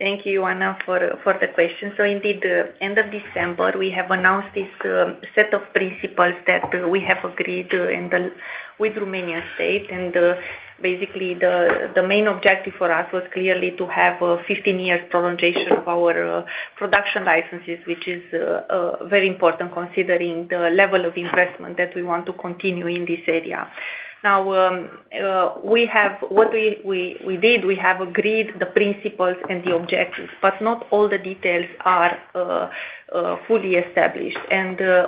Thank you, Anna, for the question. So indeed, the end of December, we have announced this set of principles that we have agreed with Romanian state. Basically, the main objective for us was clearly to have a 15-year prolongation of our production licenses, which is very important considering the level of investment that we want to continue in this area. Now, what we did, we have agreed the principles and the objectives, but not all the details are fully established.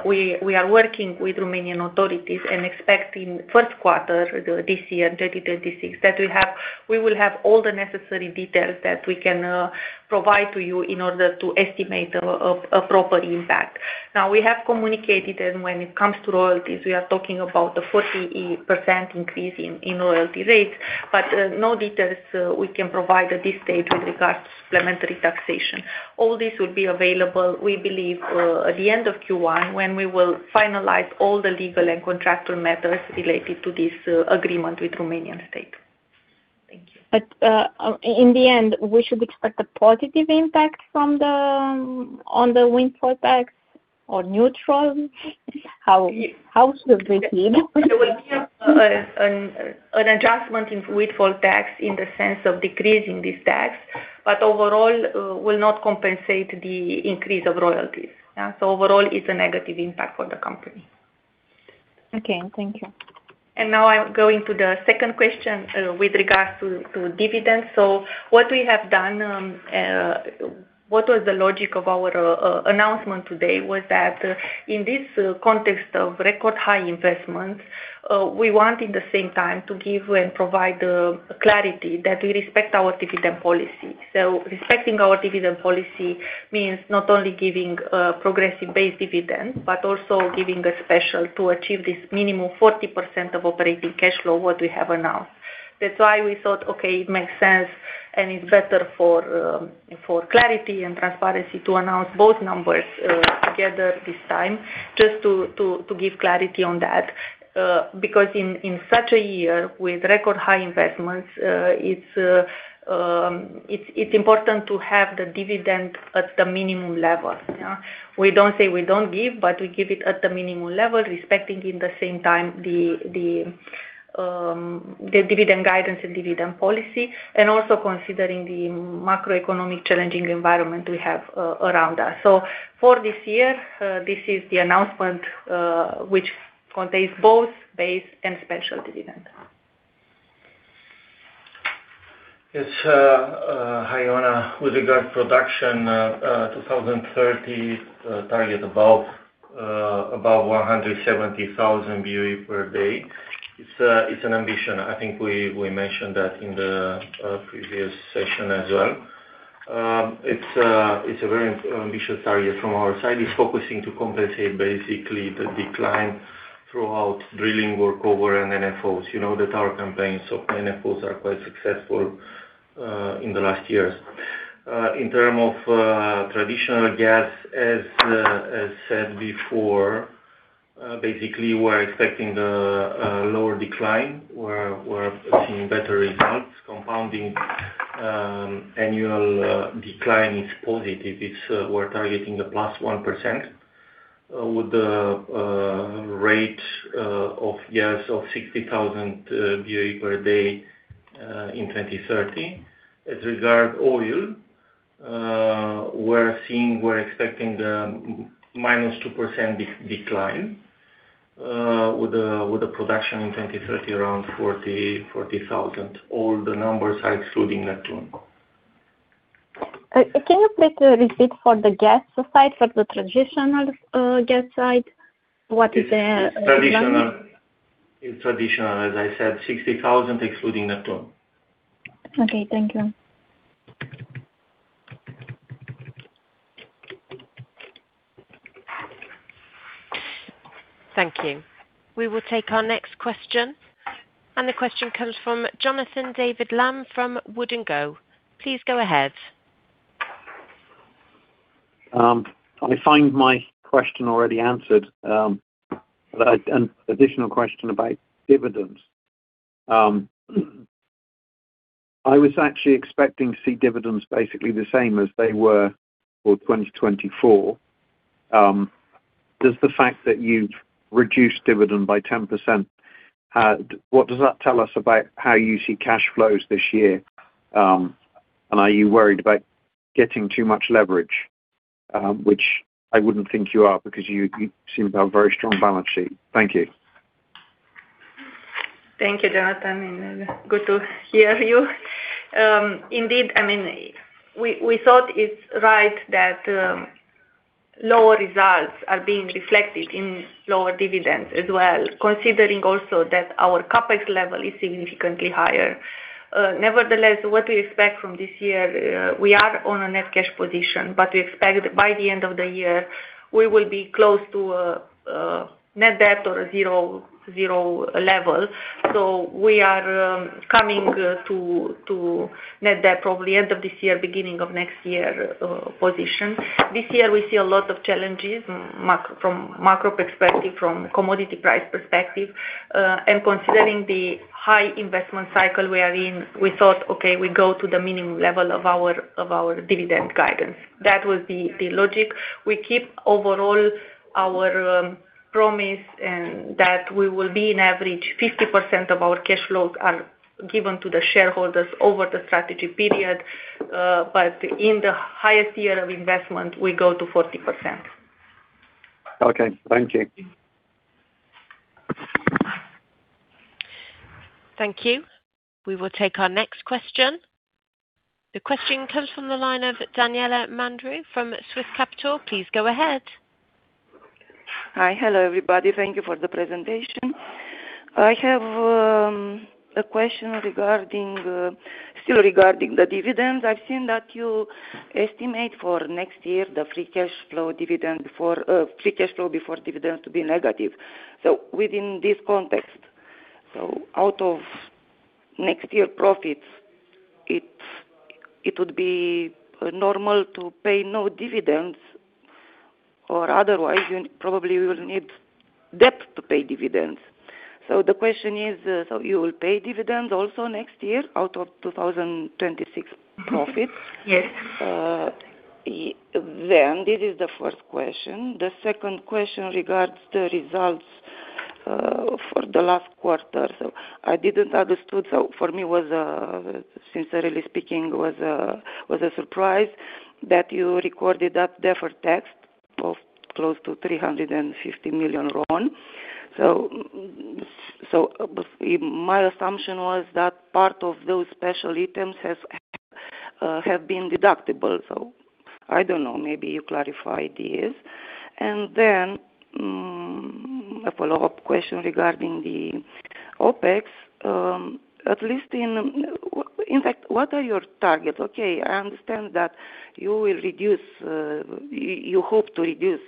We are working with Romanian authorities and expecting first quarter this year, 2026, that we will have all the necessary details that we can provide to you in order to estimate a proper impact. Now, we have communicated, and when it comes to royalties, we are talking about a 40% increase in royalty rates, but no details we can provide at this stage with regards to supplementary taxation. All this will be available, we believe, at the end of Q1, when we will finalize all the legal and contractual matters related to this agreement with Romanian state. Thank you. But, in the end, we should expect a positive impact from the on the windfall tax or neutral? How should we see it? So we have an adjustment in windfall tax in the sense of decreasing this tax, but overall, will not compensate the increase of royalties. Yeah, so overall, it's a negative impact for the company. Okay, thank you. Now I'm going to the second question, with regards to dividends. So what was the logic of our announcement today was that, in this context of record high investment, we want, in the same time, to give and provide clarity that we respect our dividend policy. So respecting our dividend policy means not only giving progressive base dividend, but also giving a special to achieve this minimum 40% of operating cash flow, what we have announced. That's why we thought, okay, it makes sense and it's better for clarity and transparency to announce both numbers together this time, just to give clarity on that. Because in such a year with record high investments, it's important to have the dividend at the minimum level, yeah? We don't say we don't give, but we give it at the minimum level, respecting in the same time the dividend guidance and dividend policy, and also considering the macroeconomic challenging environment we have around us. So for this year, this is the announcement which contains both base and special dividend. Yes, hi, Anna. With regard to production, 2030 target above 170,000 BOE per day. It's an ambition. I think we mentioned that in the previous session as well. It's a very ambitious target from our side. It's focusing to compensate basically the decline throughout drilling, workover and NFOs. You know that our campaigns of NFOs are quite successful in the last years. In term of traditional gas, as said before, basically, we're expecting the lower decline. We're seeing better results. Compounding annual decline is positive. We're targeting the +1% with the rate of gas of 60,000 BOE per day in 2030. As regards oil, we're expecting the -2% decline, with the production in 2030, around 40,000. All the numbers are excluding Neptun. Can you please repeat for the gas side, for the traditional, gas side? What is the- It's traditional. It's traditional, as I said, 60,000, excluding Neptun. Okay, thank you. Thank you. We will take our next question, and the question comes from Jonathan David Lamb from Wood & Co. Please go ahead. I find my question already answered, but I have an additional question about dividends. I was actually expecting to see dividends basically the same as they were for 2024. Does the fact that you've reduced dividend by 10%, what does that tell us about how you see cash flows this year? And are you worried about getting too much leverage? Which I wouldn't think you are, because you seem to have a very strong balance sheet. Thank you. Thank you, Jonathan. Good to hear you. Indeed, I mean, we thought it's right that lower results are being reflected in lower dividends as well, considering also that our CapEx level is significantly higher. Nevertheless, what we expect from this year, we are on a net cash position, but we expect by the end of the year-... we will be close to a net debt or a zero level. So we are coming to net debt, probably end of this year, beginning of next year position. This year, we see a lot of challenges, many from macro perspective, from commodity price perspective, and considering the high investment cycle we are in, we thought, okay, we go to the minimum level of our dividend guidance. That was the logic. We keep overall our promise, and that we will be in average 50% of our cash flows are given to the shareholders over the strategy period, but in the highest year of investment, we go to 40%. Okay, thank you. Thank you. We will take our next question. The question comes from the line of Daniela Mandru from Swiss Capital. Please go ahead. Hi, hello, everybody. Thank you for the presentation. I have a question regarding still regarding the dividends. I've seen that you estimate for next year, the free cash flow dividend before free cash flow before dividends to be negative. So within this context, so out of next year profits, it would be normal to pay no dividends or otherwise, you probably will need debt to pay dividends. So the question is, so you will pay dividends also next year out of 2026 profits? Yes. Then this is the first question. The second question regards the results for the last quarter. So I didn't understand, so for me, sincerely speaking, was a surprise that you recorded that deferred tax of close to RON 350 million. So my assumption was that part of those special items have been deductible. So I don't know, maybe you clarify this. And then, a follow-up question regarding the OpEx. In fact, what are your targets? Okay, I understand that you will reduce, you hope to reduce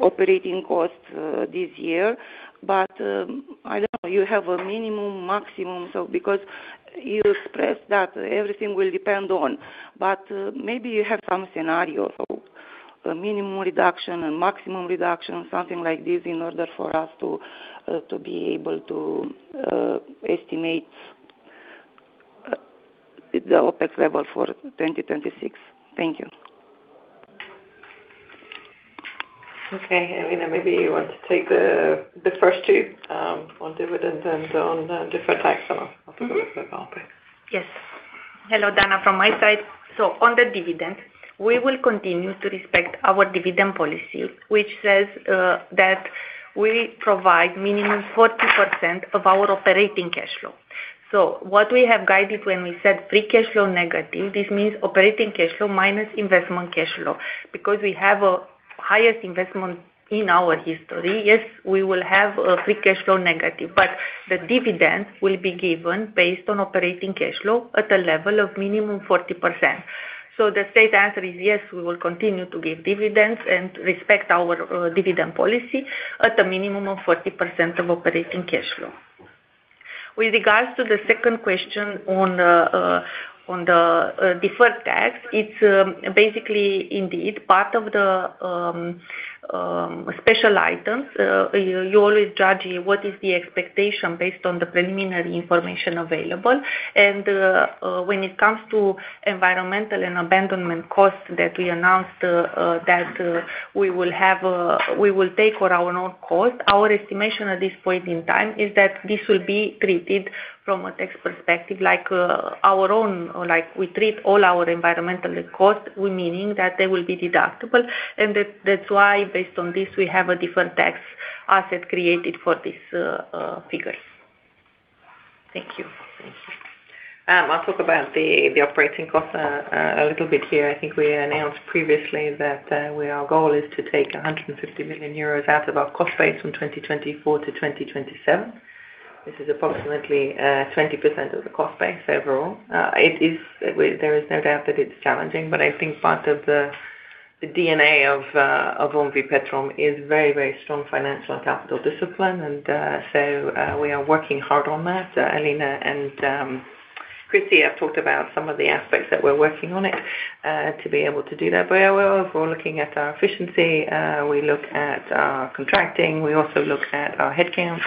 operating costs this year, but I don't know, you have a minimum, maximum. So because you expressed that everything will depend on, but maybe you have some scenario. A minimum reduction, a maximum reduction, something like this, in order for us to, to be able to, estimate the OpEx level for 2026. Thank you. Okay, Alina, maybe you want to take the first two on dividend and on the different types of the OpEx. Yes. Hello, Dana, from my side. So on the dividend, we will continue to respect our dividend policy, which says that we provide minimum 40% of our operating cash flow. So what we have guided when we said free cash flow negative, this means operating cash flow minus investment cash flow. Because we have a highest investment in our history, yes, we will have a free cash flow negative. But the dividend will be given based on operating cash flow at a level of minimum 40%. So the straight answer is yes, we will continue to give dividends and respect our dividend policy at a minimum of 40% of operating cash flow. With regards to the second question on the deferred tax, it's basically indeed part of the special items. You always judge what is the expectation based on the preliminary information available. When it comes to environmental and abandonment costs that we announced, that we will have, we will take on our own cost, our estimation at this point in time is that this will be treated from a tax perspective like our own, or like we treat all our environmental cost, we meaning that they will be deductible, and that's why, based on this, we have a different tax asset created for these figures. Thank you. I'll talk about the operating cost a little bit here. I think we announced previously that our goal is to take 150 million euros out of our cost base from 2024 to 2027. This is approximately 20% of the cost base overall. It is, there is no doubt that it's challenging, but I think part of the DNA of OMV Petrom is very, very strong financial and capital discipline, and so we are working hard on that. Alina and Cristi have talked about some of the aspects that we're working on it to be able to do that. But we're looking at our efficiency, we look at our contracting, we also look at our headcount.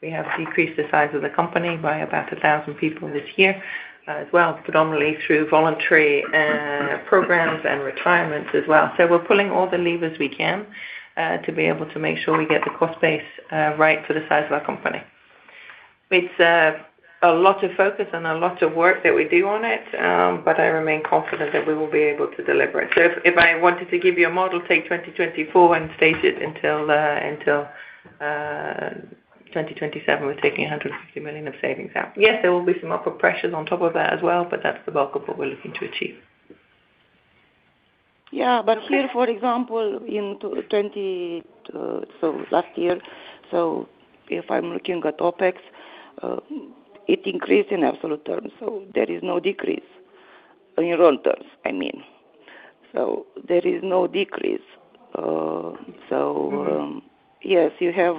We have decreased the size of the company by about 1,000 people this year, as well, predominantly through voluntary programs and retirements as well. So we're pulling all the levers we can, to be able to make sure we get the cost base right for the size of our company. It's a lot of focus and a lot of work that we do on it, but I remain confident that we will be able to deliver it. So if I wanted to give you a model, take 2024 and state it until 2027, we're taking RON 150 million of savings out. Yes, there will be some upward pressures on top of that as well, but that's the bulk of what we're looking to achieve. Yeah, but here, for example, in 20, so last year, so if I'm looking at OpEx, it increased in absolute terms, so there is no decrease in raw terms, I mean. So there is no decrease. So- Mm-hmm. Yes, you have.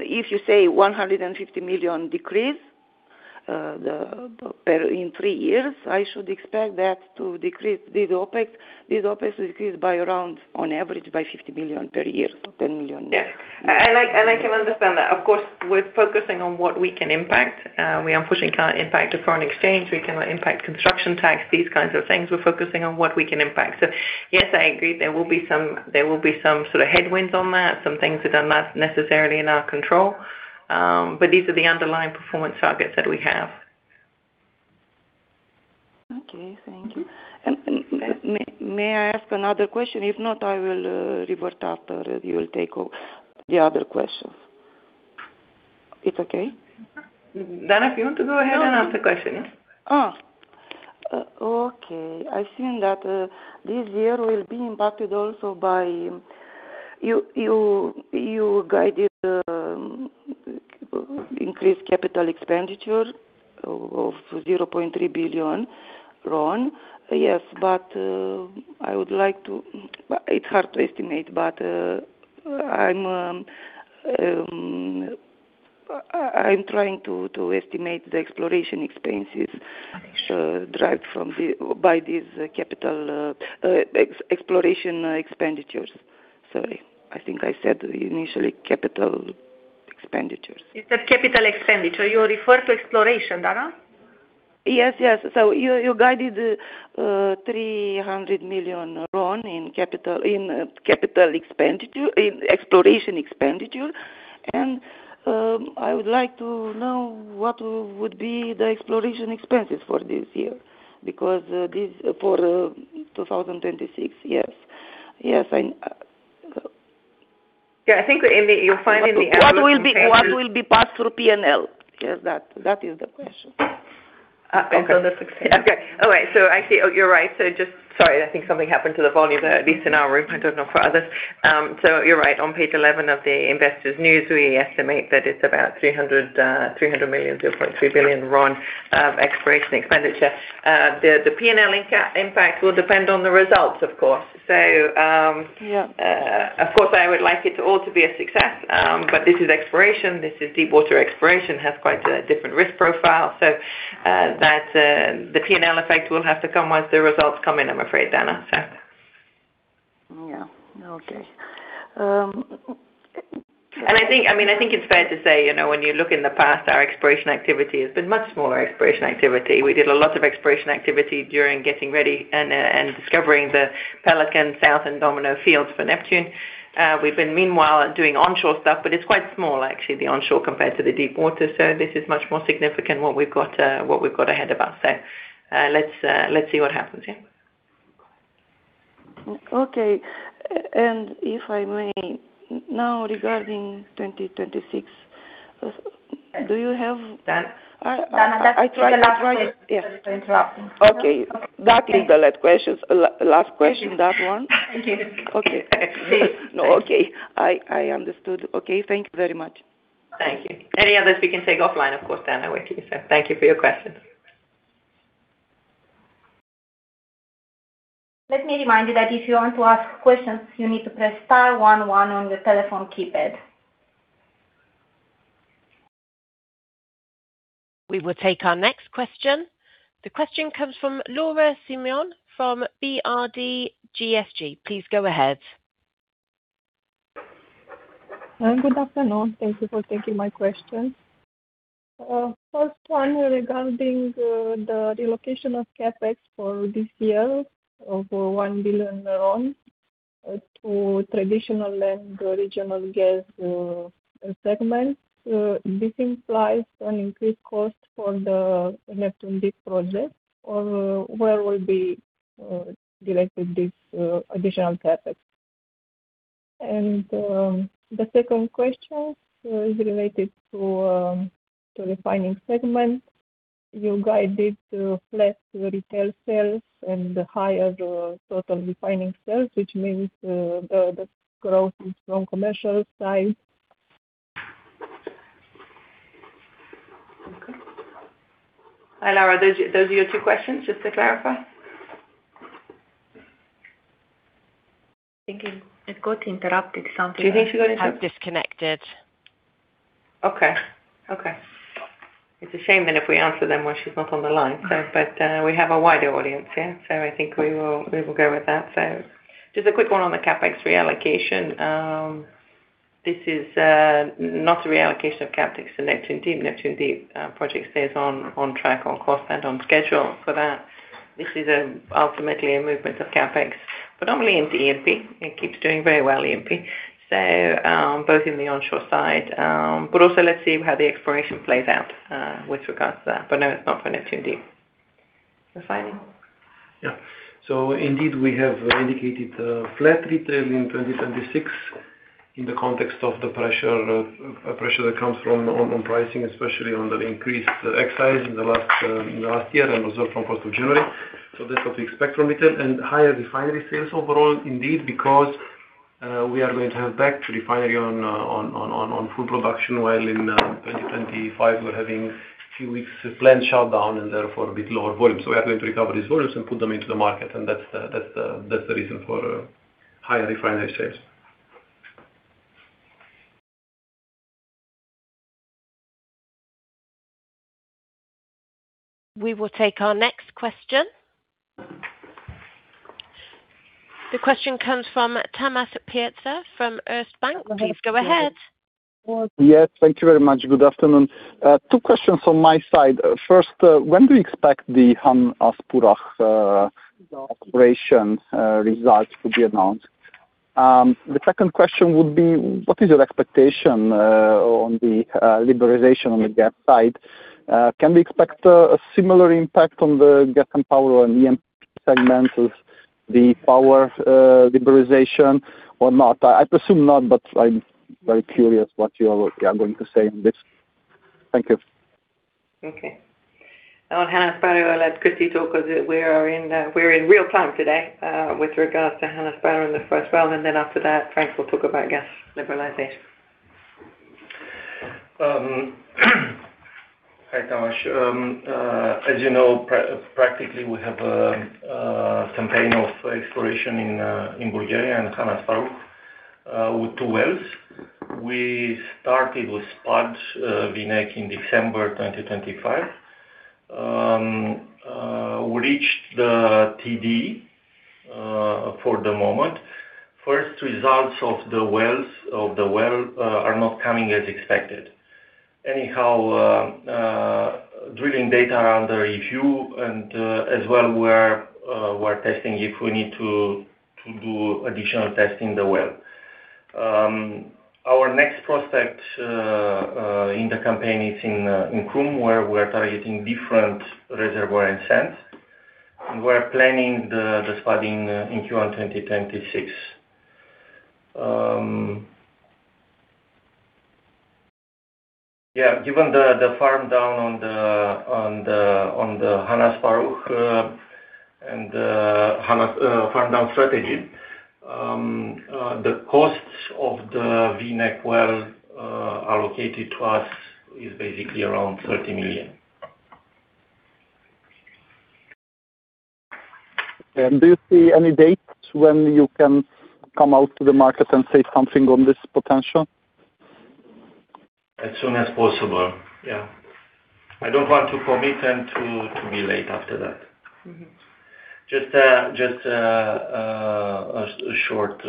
If you say RON 150 million decrease per year in three years, I should expect that to decrease this OpEx. This OpEx will decrease by around, on average, by RON 50 million per year, so RON 10 million. Yeah. I can understand that. Of course, we're focusing on what we can impact. We unfortunately can't impact the foreign exchange. We cannot impact Construction Tax, these kinds of things. We're focusing on what we can impact. So yes, I agree, there will be some sort of headwinds on that. Some things that are not necessarily in our control, but these are the underlying performance targets that we have. Okay, thank you. May I ask another question? If not, I will revert after you will take all the other questions. It's okay? Dana, if you want to go ahead and ask the question, yes. Oh, okay. I've seen that this year will be impacted also by you guided increased capital expenditure of RON 0.3 billion. Yes, but I would like to... It's hard to estimate, but I'm trying to estimate the exploration expenses derived from the by this capital exploration expenditures. Sorry, I think I said initially capital expenditures. You said capital expenditure. You refer to exploration, Dana? Yes, yes. So you, you guided 300 million RON in capital, in capital expenditure, in exploration expenditure. And, I would like to know what would be the exploration expenses for this year, because, this for, 2026. Yes. Yes, I, Yeah, I think that you'll find in the- What will be, what will be passed through P&L? Yes, that, that is the question. Okay. Okay. All right. So actually, you're right. So just... Sorry, I think something happened to the volume, at least in our room. I don't know for others. So you're right. On page 11 of the investors news, we estimate that it's about RON 300 million, 0.3 billion RON of exploration expenditure. The P&L impact will depend on the results, of course. So, Yeah. Of course, I would like it to all to be a success, but this is exploration. This is deep water exploration, has quite a different risk profile. So, that the P&L effect will have to come once the results come in, I'm afraid, Dana. So... Yeah. Okay. I think, I mean, I think it's fair to say, you know, when you look in the past, our exploration activity has been much smaller exploration activity. We did a lot of exploration activity during getting ready and discovering the Pelican South and Domino fields for Neptun. We've been meanwhile doing onshore stuff, but it's quite small, actually, the onshore, compared to the deep water. So this is much more significant, what we've got, what we've got ahead of us. So, let's see what happens. Yeah. Okay. And if I may, now, regarding 2026, do you have- Dana? Dana, that's the last one. Yeah. Interrupted. Okay. That'll be the last question, that one? Thank you. Okay. Excellent. No, okay. I understood. Okay, thank you very much. Thank you. Any others, we can take offline, of course, Dana, with you. So thank you for your questions. Let me remind you that if you want to ask questions, you need to press star one one on your telephone keypad. We will take our next question. The question comes from Laura Simion, from BRD Groupe Société Générale. Please go ahead. Good afternoon. Thank you for taking my question. First one, regarding the relocation of CapEx for this year, over RON 1 billion, to traditional and regional gas segment. This implies an increased cost for the Neptun Deep project, or where will be directed this additional CapEx? And the second question is related to refining segment. You guided to flat retail sales and higher total refining sales, which means the growth is from commercial side. Okay. Hi, Laura. Those are your two questions, just to clarify? Thinking it got interrupted something. Do you think she got- Have disconnected. Okay. Okay. It's a shame then if we answer them when she's not on the line. So, but, we have a wider audience here, so I think we will, we will go with that. So just a quick one on the CapEx reallocation. This is, not a reallocation of CapEx to Neptun Deep. Neptun Deep project stays on, on track, on course, and on schedule for that. This is, ultimately a movement of CapEx, but only into E&P. It keeps doing very well, E&P. So, both in the onshore side, but also let's see how the exploration plays out, with regards to that. But no, it's not for Neptun Deep. Refining? Yeah. So indeed, we have indicated flat retail in 2026, in the context of the pressure that comes from pricing, especially on the increased excise in the last year and also from as of January. So that's what we expect from retail and higher refinery sales overall, indeed, because- ... we are going to have the refinery back on full production, while in 2025, we're having a few weeks of planned shutdown and therefore a bit lower volume. So we are going to recover these volumes and put them into the market, and that's the reason for higher refinery sales. We will take our next question. The question comes from Tamas Pletser from Erste Bank. Please go ahead. Yes, thank you very much. Good afternoon. Two questions from my side. First, when do you expect the Han Asparuh operation results to be announced? The second question would be, what is your expectation on the liberalization on the gas side? Can we expect a similar impact on the gas and power on EM segments as the power liberalization or not? I presume not, but I'm very curious what you are going to say on this. Thank you. Okay. On Han Asparuh, I'll let Cristi talk, because we are in, we're in real time today, with regards to Han Asparuh in the first well, and then after that, Franck will talk about gas liberalization. Hi, Tamas. As you know, practically, we have a campaign of exploration in Bulgaria and Han Asparuh with two wells. We started with spuds Vineh in December 2025. We reached the TD for the moment. First results of the wells, of the well, are not coming as expected. Anyhow, drilling data are under review and, as well, we're testing if we need to do additional testing in the well. Our next prospect in the campaign is in Krum, where we're targeting different reservoir and sands. We're planning the spudding in Q1 2026. Yeah, given the farm down on the Han Asparuh and Han Asparuh farm down strategy, the costs of the Vineh well allocated to us is basically around 30 million. Do you see any dates when you can come out to the market and say something on this potential? As soon as possible. Yeah. I don't want to commit and to be late after that. Mm-hmm. Just a short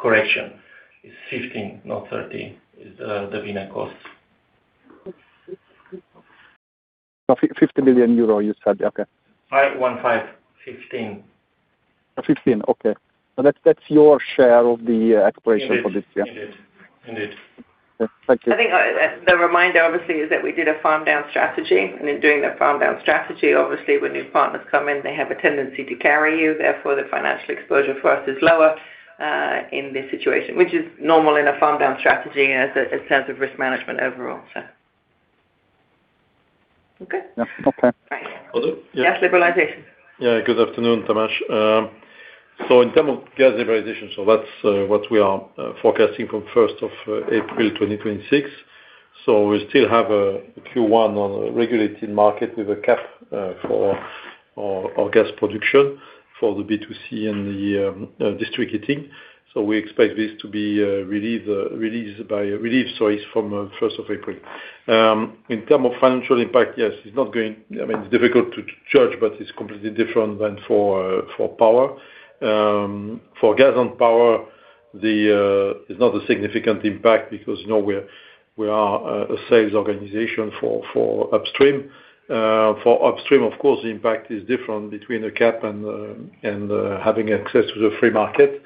correction. It's 15, not 30, is the Vineh cost. So, 50 million euro, you said? Okay. 5, 1, 5. 15. 15, okay. So that's, that's your share of the exploration for this, yeah? Indeed. Indeed. Thank you. I think the reminder obviously is that we did a farm down strategy, and in doing that farm down strategy, obviously when new partners come in, they have a tendency to carry you. Therefore, the financial exposure for us is lower in this situation, which is normal in a farm down strategy and as a sense of risk management overall. So, okay? Yeah. Okay. Great. Hello? Yeah. Gas liberalization. Yeah, good afternoon, Tamas. So in term of gas liberalization, so that's what we are forecasting from first of April 2026. So we still have Q1 on a regulated market with a cap for our gas production for the B2C and the district heating. So we expect this to be relieved, sorry, from first of April. In term of financial impact, yes, it's not going... I mean, it's difficult to judge, but it's completely different than for power. For gas and power, it's not a significant impact because, you know, we're a sales organization for upstream. For upstream, of course, the impact is different between the cap and having access to the free market.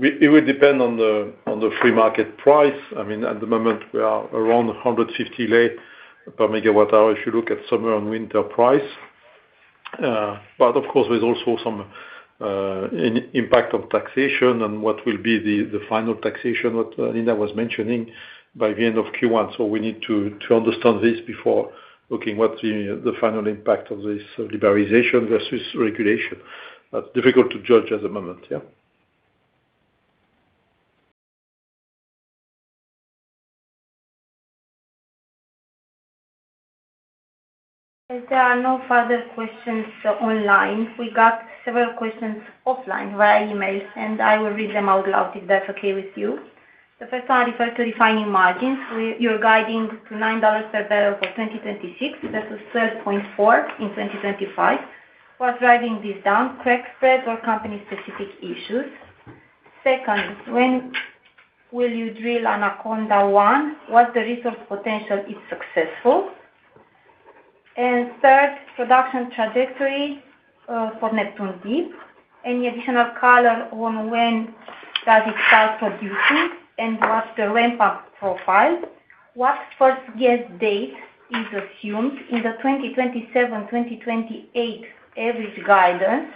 It will depend on the free market price. I mean, at the moment, we are around 150 RON per megawatt hour, if you look at summer and winter price. But of course, there's also some impact of taxation and what will be the final taxation, what Alina was mentioning, by the end of Q1. So we need to understand this before looking what the final impact of this liberalization versus regulation. That's difficult to judge at the moment, yeah. As there are no further questions online, we got several questions offline via email, and I will read them out loud, if that's okay with you. The first one refer to refining margins. You're guiding to $9 per barrel for 2026 versus $12.4 in 2025. What's driving this down, crack spread or company specific issues? Second, when will you drill Anaconda-1? What's the resource potential, if successful? And third, production trajectory for Neptun Deep. Any additional color on when does it start producing, and what's the ramp-up profile? What first gas date is assumed in the 2027, 2028 average guidance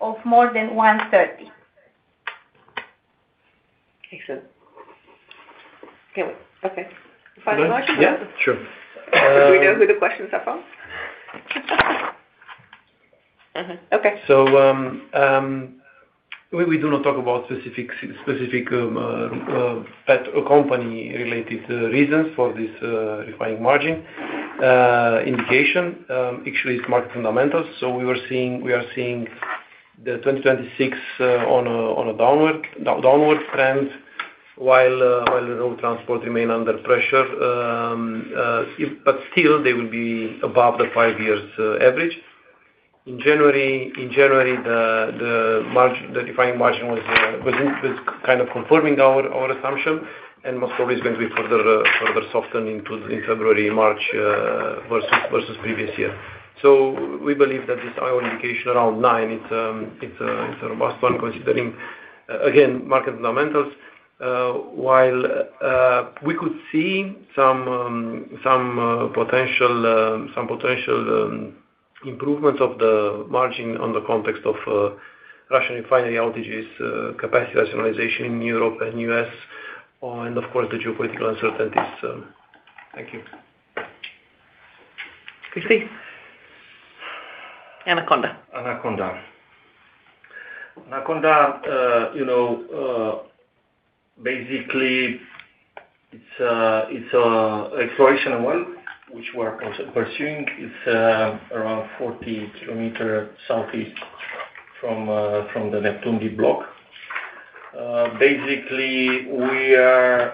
of more than 130?... Excellent. Okay, okay. Final question? Yeah, sure. Do we know who the questions are from? Mm-hmm. Okay. We do not talk about specific Petrom company related reasons for this refining margin indication. Actually, it's market fundamentals. We are seeing the 2026 on a downward trend, while the road transport remain under pressure. But still they will be above the 5-year average. In January, the refining margin was kind of confirming our assumption, and most probably is going to be further soften in February, March, versus previous year. So we believe that this our indication around $9, it's a robust one, considering again, market fundamentals. While we could see some potential improvements of the margin on the context of Russian refinery outages, capacity rationalization in Europe and U.S., and of course, the geopolitical uncertainties. Thank you. Cristi? Anaconda. Anaconda. Anaconda, you know, basically, it's a exploration well, which we're pursuing. It's around 40 kilometer southeast from the Neptun Deep block. Basically, we are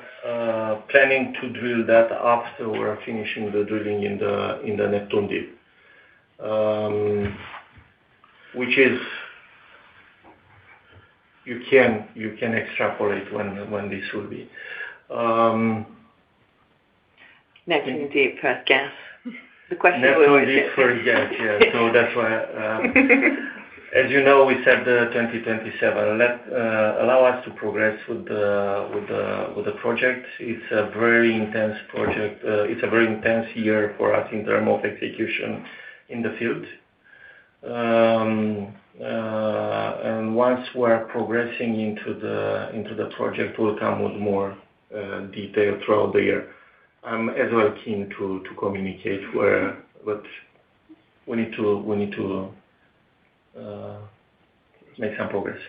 planning to drill that after we're finishing the drilling in the Neptun Deep. Which is... You can extrapolate when this will be. Neptun Deep first gas. The question was Neptun Deep first gas. Yeah. So that's why, as you know, we said 2027. Allow us to progress with the project. It's a very intense project. It's a very intense year for us in terms of execution in the field. And once we're progressing into the project, we'll come with more detail throughout the year. I'm as well keen to communicate where, but we need to make some progress.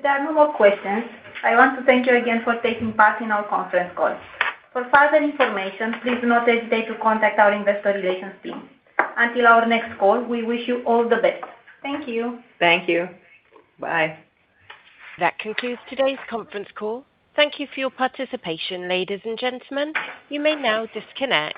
If there are no more questions, I want to thank you again for taking part in our conference call. For further information, please do not hesitate to contact our investor relations team. Until our next call, we wish you all the best. Thank you. Thank you. Bye. That concludes today's conference call. Thank you for your participation, ladies and gentlemen. You may now disconnect.